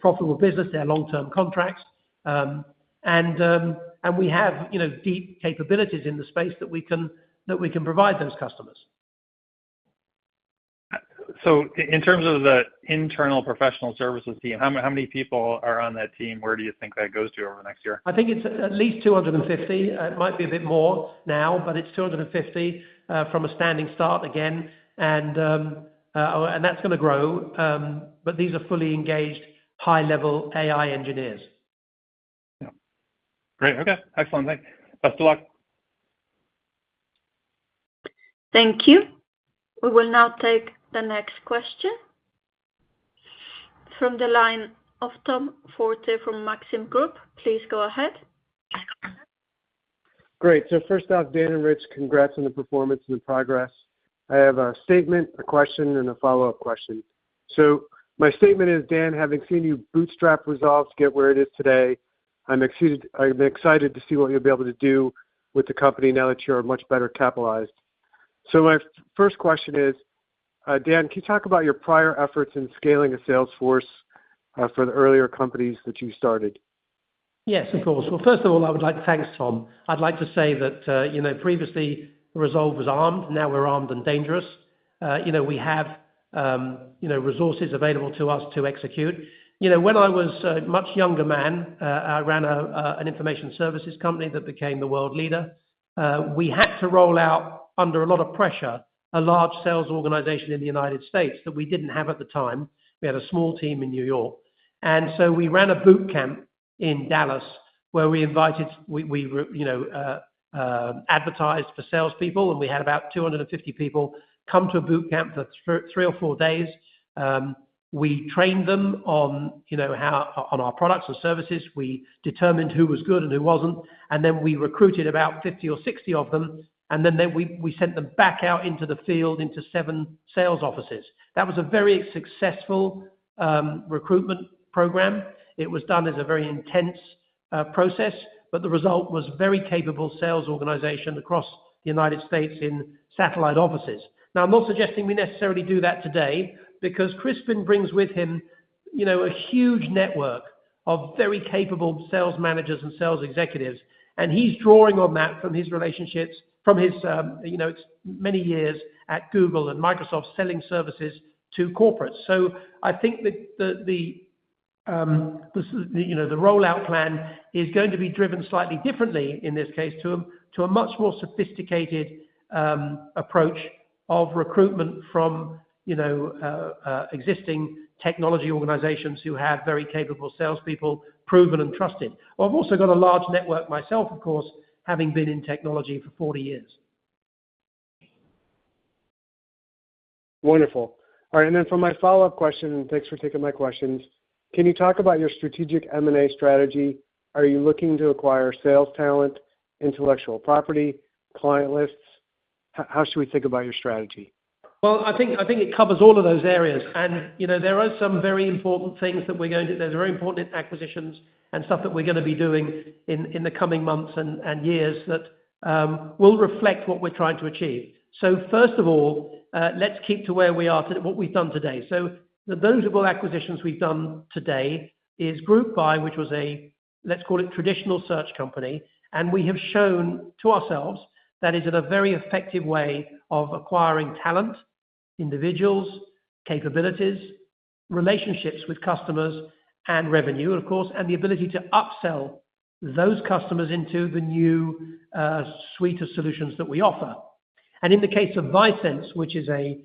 profitable business. They're long-term contracts. And we have deep capabilities in the space that we can provide those customers. So in terms of the internal Professional Services team, how many people are on that team? Where do you think that goes to over the next year? I think it's at least 250. It might be a bit more now, but it's 250 from a standing start again. And that's going to grow. But these are fully engaged high-level AI engineers. Yeah. Great. Okay. Excellent. Thanks. Best of luck. Thank you. We will now take the next question from the line of Tom Forte from Maxim Group. Please go ahead. Great. So first off, Dan and Rich, congrats on the performance and the progress. I have a statement, a question, and a follow-up question. So my statement is, "Dan, having seen you bootstrap Rezolve to get where it is today, I'm excited to see what you'll be able to do with the company now that you're much better capitalized." So my first question is, "Dan, can you talk about your prior efforts in scaling a salesforce for the earlier companies that you started?" Yes, of course. Well, first of all, I would like to thank Tom. I'd like to say that previously, Rezolve was armed. Now we're armed and dangerous. We have resources available to us to execute. When I was a much younger man, I ran an information services company that became the world leader. We had to roll out, under a lot of pressure, a large sales organization in the United States that we didn't have at the time. We had a small team in New York, and so we ran a boot camp in Dallas where we invited, we advertised for salespeople, and we had about 250 people come to a boot camp for three or four days. We trained them on our products and services. We determined who was good and who wasn't, and then we recruited about 50 or 60 of them, and then we sent them back out into the field into seven sales offices. That was a very successful recruitment program. It was done as a very intense process, but the result was a very capable sales organization across the United States in satellite offices. Now, I'm not suggesting we necessarily do that today because Crispin brings with him a huge network of very capable sales managers and sales executives, and he's drawing on that from his relationships from his many years at Google and Microsoft selling services to corporates. So I think that the rollout plan is going to be driven slightly differently in this case to a much more sophisticated approach of recruitment from existing technology organizations who have very capable salespeople, proven and trusted. I've also got a large network myself, of course, having been in technology for 40 years. Wonderful. All right. And then for my follow-up question, and thanks for taking my questions, can you talk about your strategic M&A strategy? Are you looking to acquire sales talent, intellectual property, client lists? How should we think about your strategy? Well, I think it covers all of those areas. And there are some very important things that we're going to. There's very important acquisitions and stuff that we're going to be doing in the coming months and years that will reflect what we're trying to achieve. So first of all, let's keep to where we are today, what we've done today. So the notable acquisitions we've done today is GroupBy, which was a, let's call it, traditional search company. And we have shown to ourselves that it's a very effective way of acquiring talent, individuals, capabilities, relationships with customers, and revenue, of course, and the ability to upsell those customers into the new suite of solutions that we offer. And in the case of ViSenze, which is a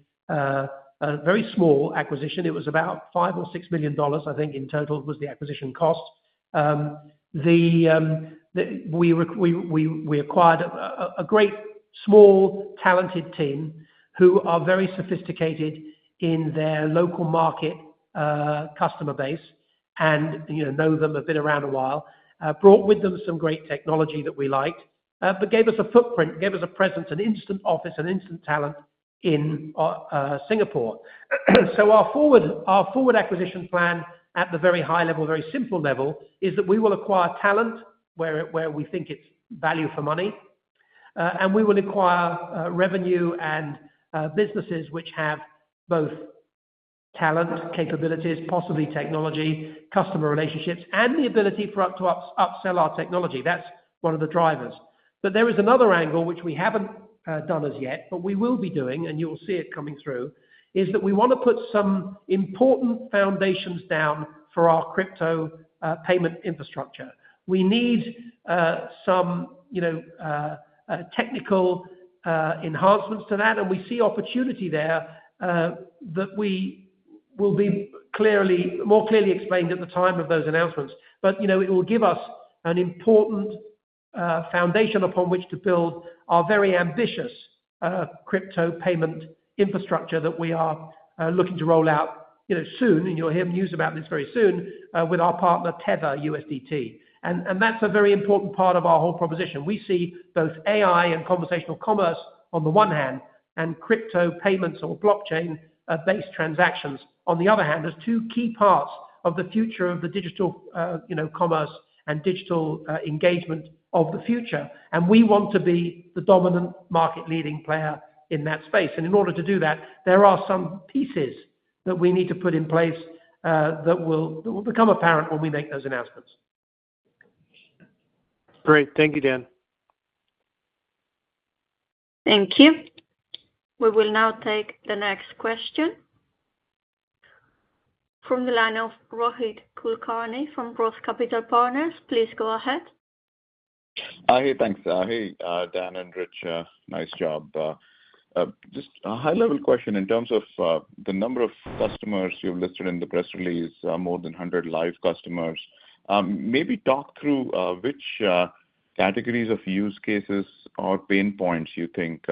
very small acquisition, it was about $5 million or $6 million, I think, in total was the acquisition cost. We acquired a great, small, talented team who are very sophisticated in their local market customer base and know them. They've been around a while, brought with them some great technology that we liked, but gave us a footprint, gave us a presence, an instant office, an instant talent in Singapore so our forward acquisition plan at the very high level, very simple level, is that we will acquire talent where we think it's value for money, and we will acquire revenue and businesses which have both talent, capabilities, possibly technology, customer relationships, and the ability for us to upsell our technology. That's one of the drivers, but there is another angle which we haven't done as yet, but we will be doing, and you'll see it coming through, is that we want to put some important foundations down for our crypto payment infrastructure. We need some technical enhancements to that, and we see opportunity there that will be more clearly explained at the time of those announcements, but it will give us an important foundation upon which to build our very ambitious crypto payment infrastructure that we are looking to roll out soon, and you'll hear news about this very soon with our partner, Tether, USDT. And that's a very important part of our whole proposition. We see both AI and conversational commerce on the one hand and crypto payments or blockchain-based transactions on the other hand as two key parts of the future of the digital commerce and digital engagement of the future, and we want to be the dominant market-leading player in that space. And in order to do that, there are some pieces that we need to put in place that will become apparent when we make those announcements. Great. Thank you, Dan. Thank you. We will now take the next question from the line of Rohit Kulkarni from Roth Capital Partners. Please go ahead. Thanks, Dan and Rich. Nice job. Just a high-level question. In terms of the number of customers you've listed in the press release, more than 100 live customers, maybe talk through which categories of use cases or pain points you think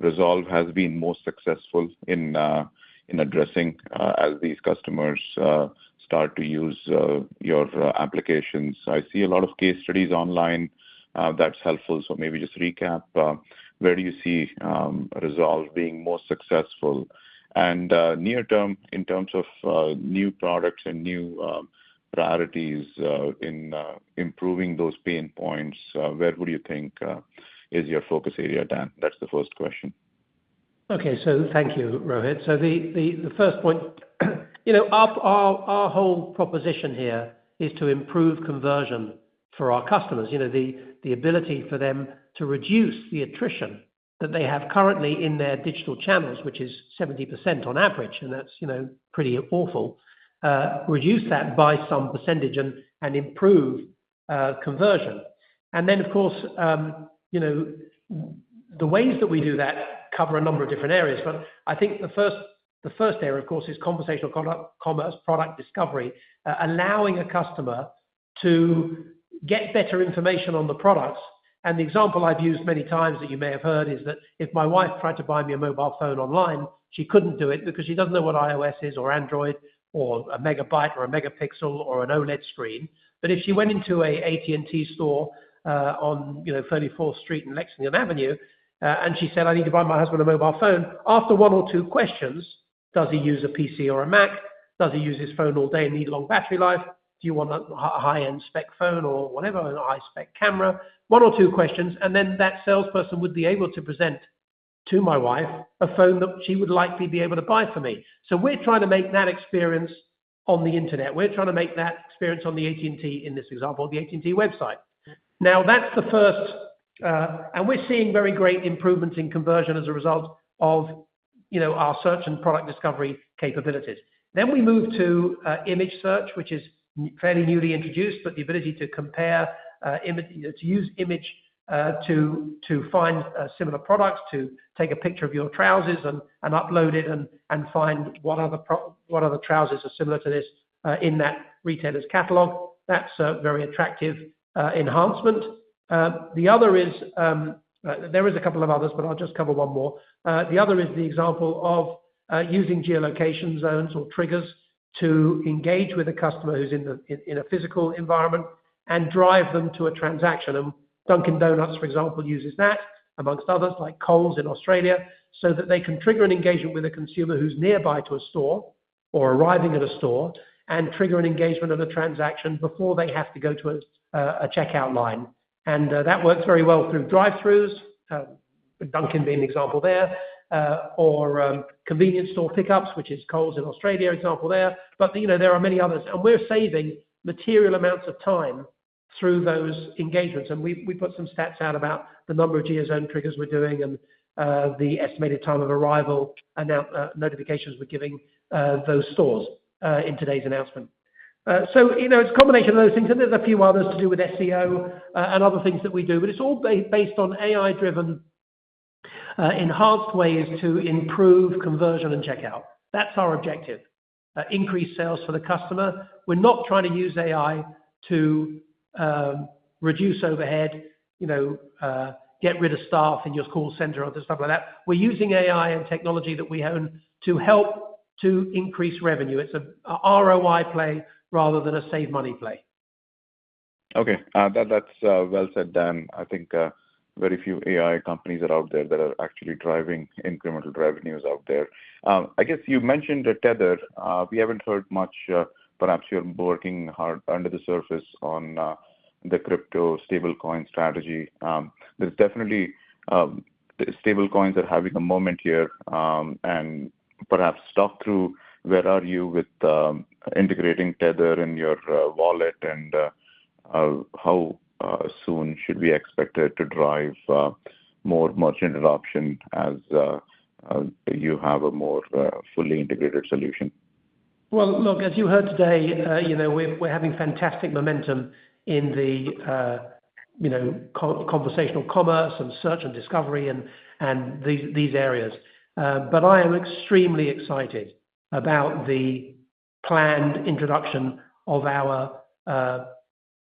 Rezolve has been most successful in addressing as these customers start to use your applications. I see a lot of case studies online. That's helpful. So maybe just recap, where do you see Rezolve being most successful? And near-term, in terms of new products and new priorities in improving those pain points, where would you think is your focus area, Dan? That's the first question. Okay. So thank you, Rohit. So, the first point, our whole proposition here is to improve conversion for our customers, the ability for them to reduce the attrition that they have currently in their digital channels, which is 70% on average, and that's pretty awful, reduce that by some percentage and improve conversion. And then, of course, the ways that we do that cover a number of different areas. But I think the first area, of course, is conversational commerce, product discovery, allowing a customer to get better information on the products. And the example I've used many times that you may have heard is that if my wife tried to buy me a mobile phone online, she couldn't do it because she doesn't know what iOS is or Android or a megabyte or a megapixel or an OLED screen. But if she went into an AT&T store on 34th Street, Lexington Avenue and she said, "I need to buy my husband a mobile phone," after one or two questions, does he use a PC or a Mac? Does he use his phone all day and need long battery life? Do you want a high-end spec phone or whatever, a high-spec camera? One or two questions, and then that salesperson would be able to present to my wife a phone that she would likely be able to buy for me. So we're trying to make that experience on the internet. We're trying to make that experience on the AT&T, in this example, the AT&T website. Now, that's the first, and we're seeing very great improvements in conversion as a result of our search and product discovery capabilities. Then we move to Visual Search, which is fairly newly introduced, but the ability to compare, to use image to find similar products, to take a picture of your trousers and upload it and find what other trousers are similar to this in that retailer's catalog. That's a very attractive enhancement. The other is there is a couple of others, but I'll just cover one more. The other is the example of using geolocation zones or triggers to engage with a customer who's in a physical environment and drive them to a transaction. And Dunkin' Donuts, for example, uses that, amongst others, like Coles in Australia, so that they can trigger an engagement with a consumer who's nearby to a store or arriving at a store and trigger an engagement of a transaction before they have to go to a checkout line. That works very well through drive-throughs, Dunkin' being an example there, or convenience store pickups, which is Coles in Australia, example there. But there are many others, and we're saving material amounts of time through those engagements, and we put some stats out about the number of GeoZone triggers we're doing and the estimated time of arrival and notifications we're giving those stores in today's announcement, so it's a combination of those things, and there's a few others to do with SEO and other things that we do, but it's all based on AI-driven enhanced ways to improve conversion and checkout. That's our objective: increase sales for the customer. We're not trying to use AI to reduce overhead, get rid of staff in your call center or stuff like that. We're using AI and technology that we own to help to increase revenue. It's an ROI play rather than a save-money play. Okay. That's well said, Dan. I think very few AI companies are out there that are actually driving incremental revenues out there. I guess you mentioned Tether. We haven't heard much. Perhaps you're working hard under the surface on the crypto stablecoin strategy. There's definitely stablecoins that are having a moment here. And perhaps talk through where are you with integrating Tether in your wallet and how soon should we expect it to drive more merchant adoption as you have a more fully integrated solution? Look, as you heard today, we're having fantastic momentum in the conversational commerce and search and discovery and these areas. But I am extremely excited about the planned introduction of our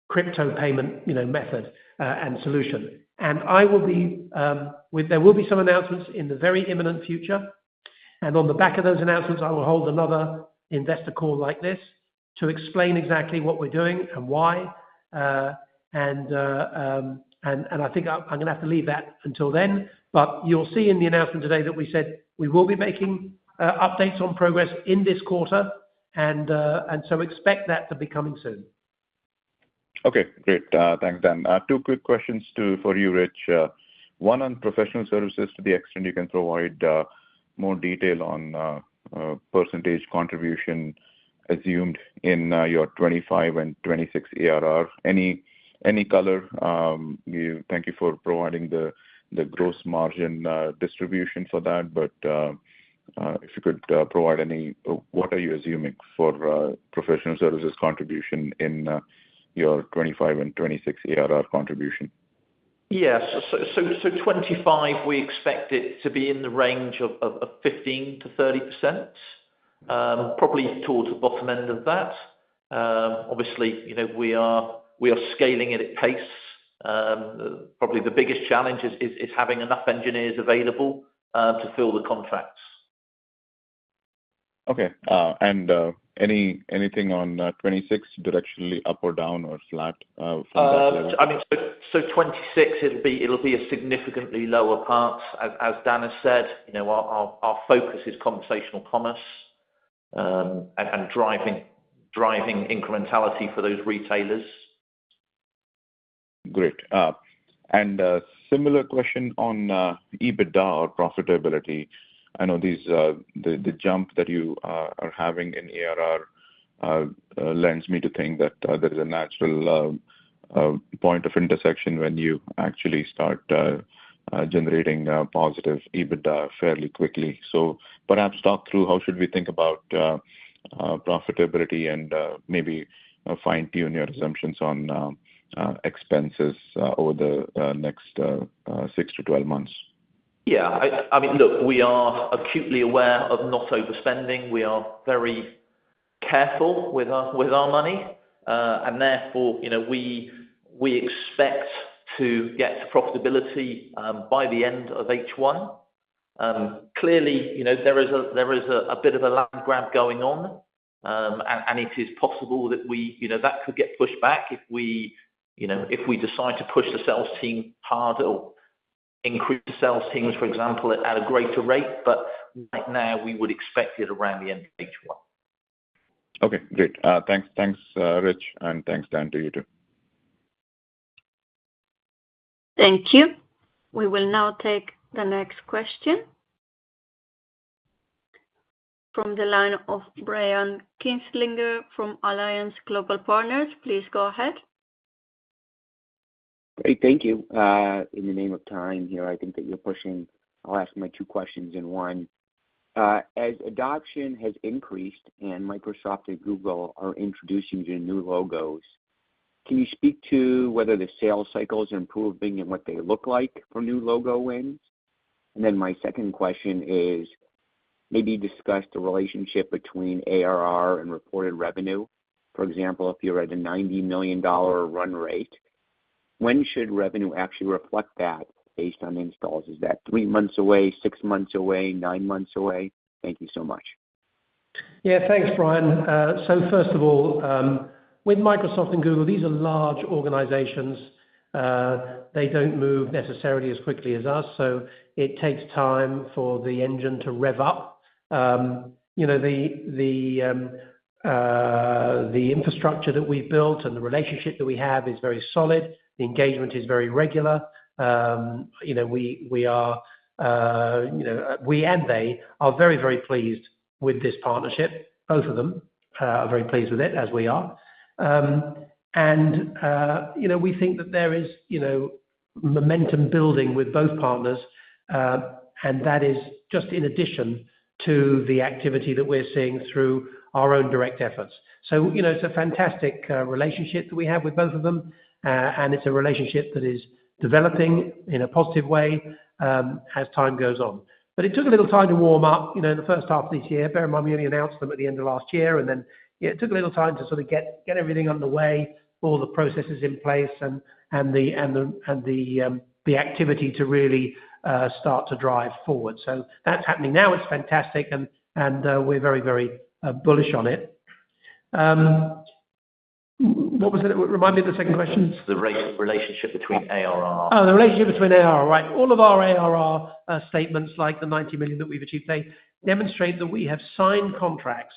crypto payment method and solution. And there will be some announcements in the very imminent future. And on the back of those announcements, I will hold another investor call like this to explain exactly what we're doing and why. And I think I'm going to have to leave that until then. But you'll see in the announcement today that we said we will be making updates on progress in this quarter. And so expect that to be coming soon. Okay. Great. Thanks, Dan. Two quick questions for you, Rich. One on Professional Services to the extent you can provide more detail on percentage contribution assumed in your 2025 and 2026 ARR. Any color? Thank you for providing the gross margin distribution for that. But if you could provide any, what are you assuming for Professional Services contribution in your 2025 and 2026 ARR contribution? Yes. So, 2025, we expect it to be in the range of 15%-30%, probably towards the bottom end of that. Obviously, we are scaling at a pace. Probably the biggest challenge is having enough engineers available to fill the contracts. Okay. And anything on 2026, directionally up or down or flat from that level? I mean, so 2026, it will be a significantly lower part. As Dan has said, our focus is conversational commerce and driving incrementality for those retailers. Great. And similar question on EBITDA or profitability. I know the jump that you are having in ARR lends me to think that there is a natural point of intersection when you actually start generating positive EBITDA fairly quickly. So perhaps talk through how should we think about profitability and maybe fine-tune your assumptions on expenses over the next six to 12 months. Yeah. I mean, look, we are acutely aware of not overspending. We are very careful with our money. And therefore, we expect to get profitability by the end of H1. Clearly, there is a bit of a land grab going on. And it is possible that that could get pushed back if we decide to push the sales team harder, increase the sales teams, for example, at a greater rate. But right now, we would expect it around the end of H1. Okay. Great. Thanks, Rich. And thanks, Dan. To you too. Thank you. We will now take the next question from the line of Brian Kinstlinger from Alliance Global Partners. Please go ahead. Great. Thank you. In the interest of time here, I think that you're pushing. I'll ask my two questions in one. As adoption has increased and Microsoft and Google are introducing their new logos, can you speak to whether the sales cycles are improving and what they look like for new logo wins? And then my second question is, maybe discuss the relationship between ARR and reported revenue. For example, if you're at a $90 million run rate, when should revenue actually reflect that based on installs? Is that three months away, six months away, nine months away? Thank you so much. Yeah. Thanks, Brian. So first of all, with Microsoft and Google, these are large organizations. They don't move necessarily as quickly as us. So it takes time for the engine to rev up. The infrastructure that we've built and the relationship that we have is very solid. The engagement is very regular. We are - we and they are very, very pleased with this partnership. Both of them are very pleased with it, as we are. And we think that there is momentum building with both partners. And that is just in addition to the activity that we're seeing through our own direct efforts. So it's a fantastic relationship that we have with both of them. And it's a relationship that is developing in a positive way as time goes on. But it took a little time to warm up in the first half of this year. Bear in mind, we only announced them at the end of last year. And then it took a little time to sort of get everything underway, all the processes in place, and the activity to really start to drive forward. So that's happening now. It's fantastic. And we're very, very bullish on it. What was it? Remind me of the second question. It's the relationship between ARR. Oh, the relationship between ARR. Right. All of our ARR statements, like the $90 million that we've achieved today, demonstrate that we have signed contracts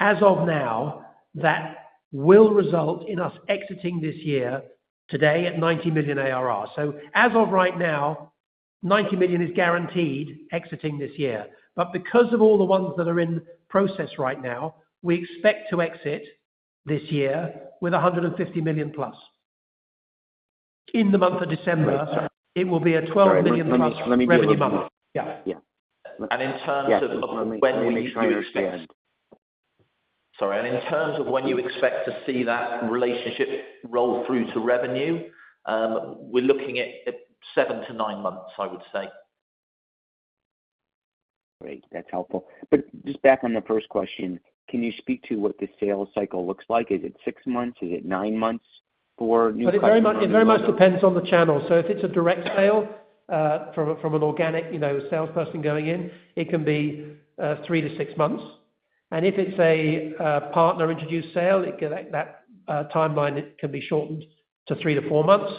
as of now that will result in us exiting this year today at $90 million ARR. So as of right now, $90 million is guaranteed exiting this year. But because of all the ones that are in process right now, we expect to exit this year with $150 million plus. In the month of December, it will be a $12 million plus revenue month. Yeah. And in terms of when we, sorry. And in terms of when you expect to see that relationship roll through to revenue, we're looking at seven to nine months, I would say. Great. That's helpful. But just back on the first question, can you speak to what the sales cycle looks like? Is it six months? Is it nine months for new contracts? It very much depends on the channel. So if it's a direct sale from an organic salesperson going in, it can be three to six months. And if it's a partner-introduced sale, that timeline can be shortened to three to four months,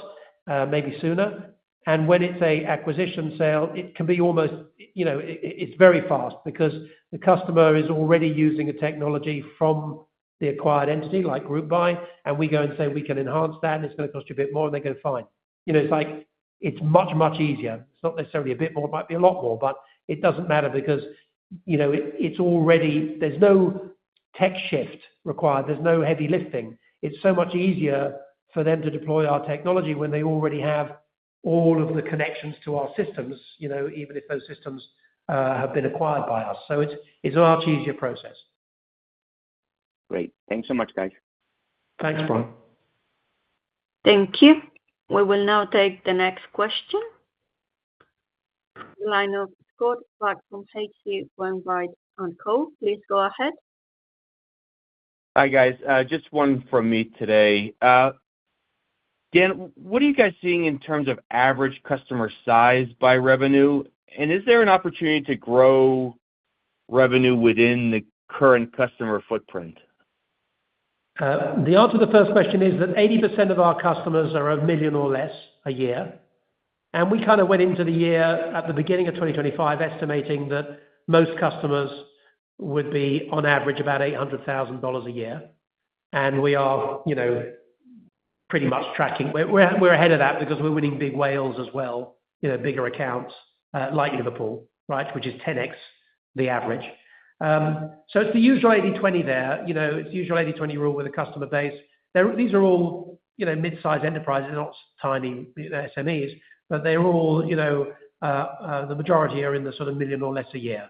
maybe sooner. And when it's an acquisition sale, it can be almost, it's very fast because the customer is already using a technology from the acquired entity like GroupBy. And we go and say, "We can enhance that, and it's going to cost you a bit more." And they go, "Fine." It's much, much easier. It's not necessarily a bit more; it might be a lot more. But it doesn't matter because there's no tech shift required. There's no heavy lifting. It's so much easier for them to deploy our technology when they already have all of the connections to our systems, even if those systems have been acquired by us. So it's a much easier process. Great. Thanks so much, guys. Thanks, Brian. Thank you. We will now take the next question. Scott Buck from H.C. Wainwright. Please go ahead. Hi, guys. Just one from me today. Dan, what are you guys seeing in terms of average customer size by revenue? And is there an opportunity to grow revenue within the current customer footprint? The answer to the first question is that 80% of our customers are a million or less a year. And we kind of went into the year at the beginning of 2025 estimating that most customers would be, on average, about $800,000 a year. And we are pretty much tracking. We're ahead of that because we're winning big whales as well, bigger accounts like Liverpool, right, which is 10x the average. So it's the usual 80/20 there. It's the usual 80/20 rule with a customer base. These are all mid-size enterprises, not tiny SMEs, but they're all. The majority are in the sort of million or less a year.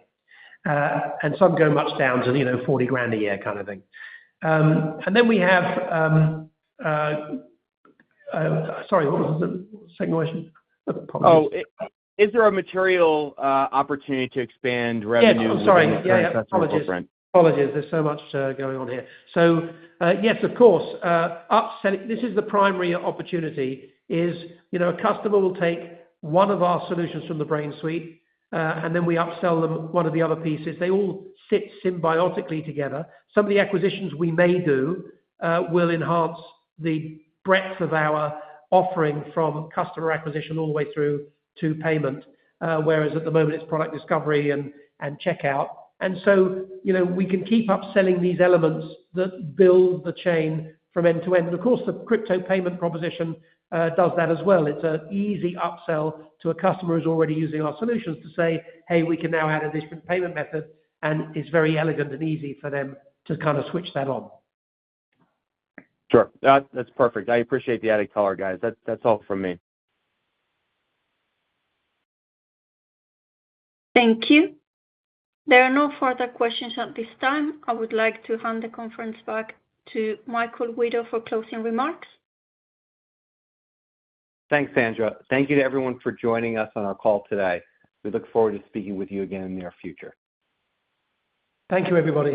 And some go much down to 40 grand a year kind of thing. And then we have. Sorry, what was the second question? Oh, is there a material opportunity to expand revenue? Yeah. Oh, sorry. Yeah, yeah. Apologies. Apologies. There's so much going on here. So yes, of course. This is the primary opportunity: a customer will take one of our solutions from the Brain Suite, and then we upsell them one of the other pieces. They all sit symbiotically together. Some of the acquisitions we may do will enhance the breadth of our offering from customer acquisition all the way through to payment, whereas at the moment, it's product discovery and checkout. And so we can keep upselling these elements that build the chain from end to end. And of course, the crypto payment proposition does that as well. It's an easy upsell to a customer who's already using our solutions to say, "Hey, we can now add a different payment method." And it's very elegant and easy for them to kind of switch that on. Sure. That's perfect. I appreciate the added color, guys. That's all from me. Thank you. There are no further questions at this time. I would like to hand the conference back to Michael Guido for closing remarks. Thanks, Sandra. Thank you to everyone for joining us on our call today. We look forward to speaking with you again in the near future. Thank you, everybody.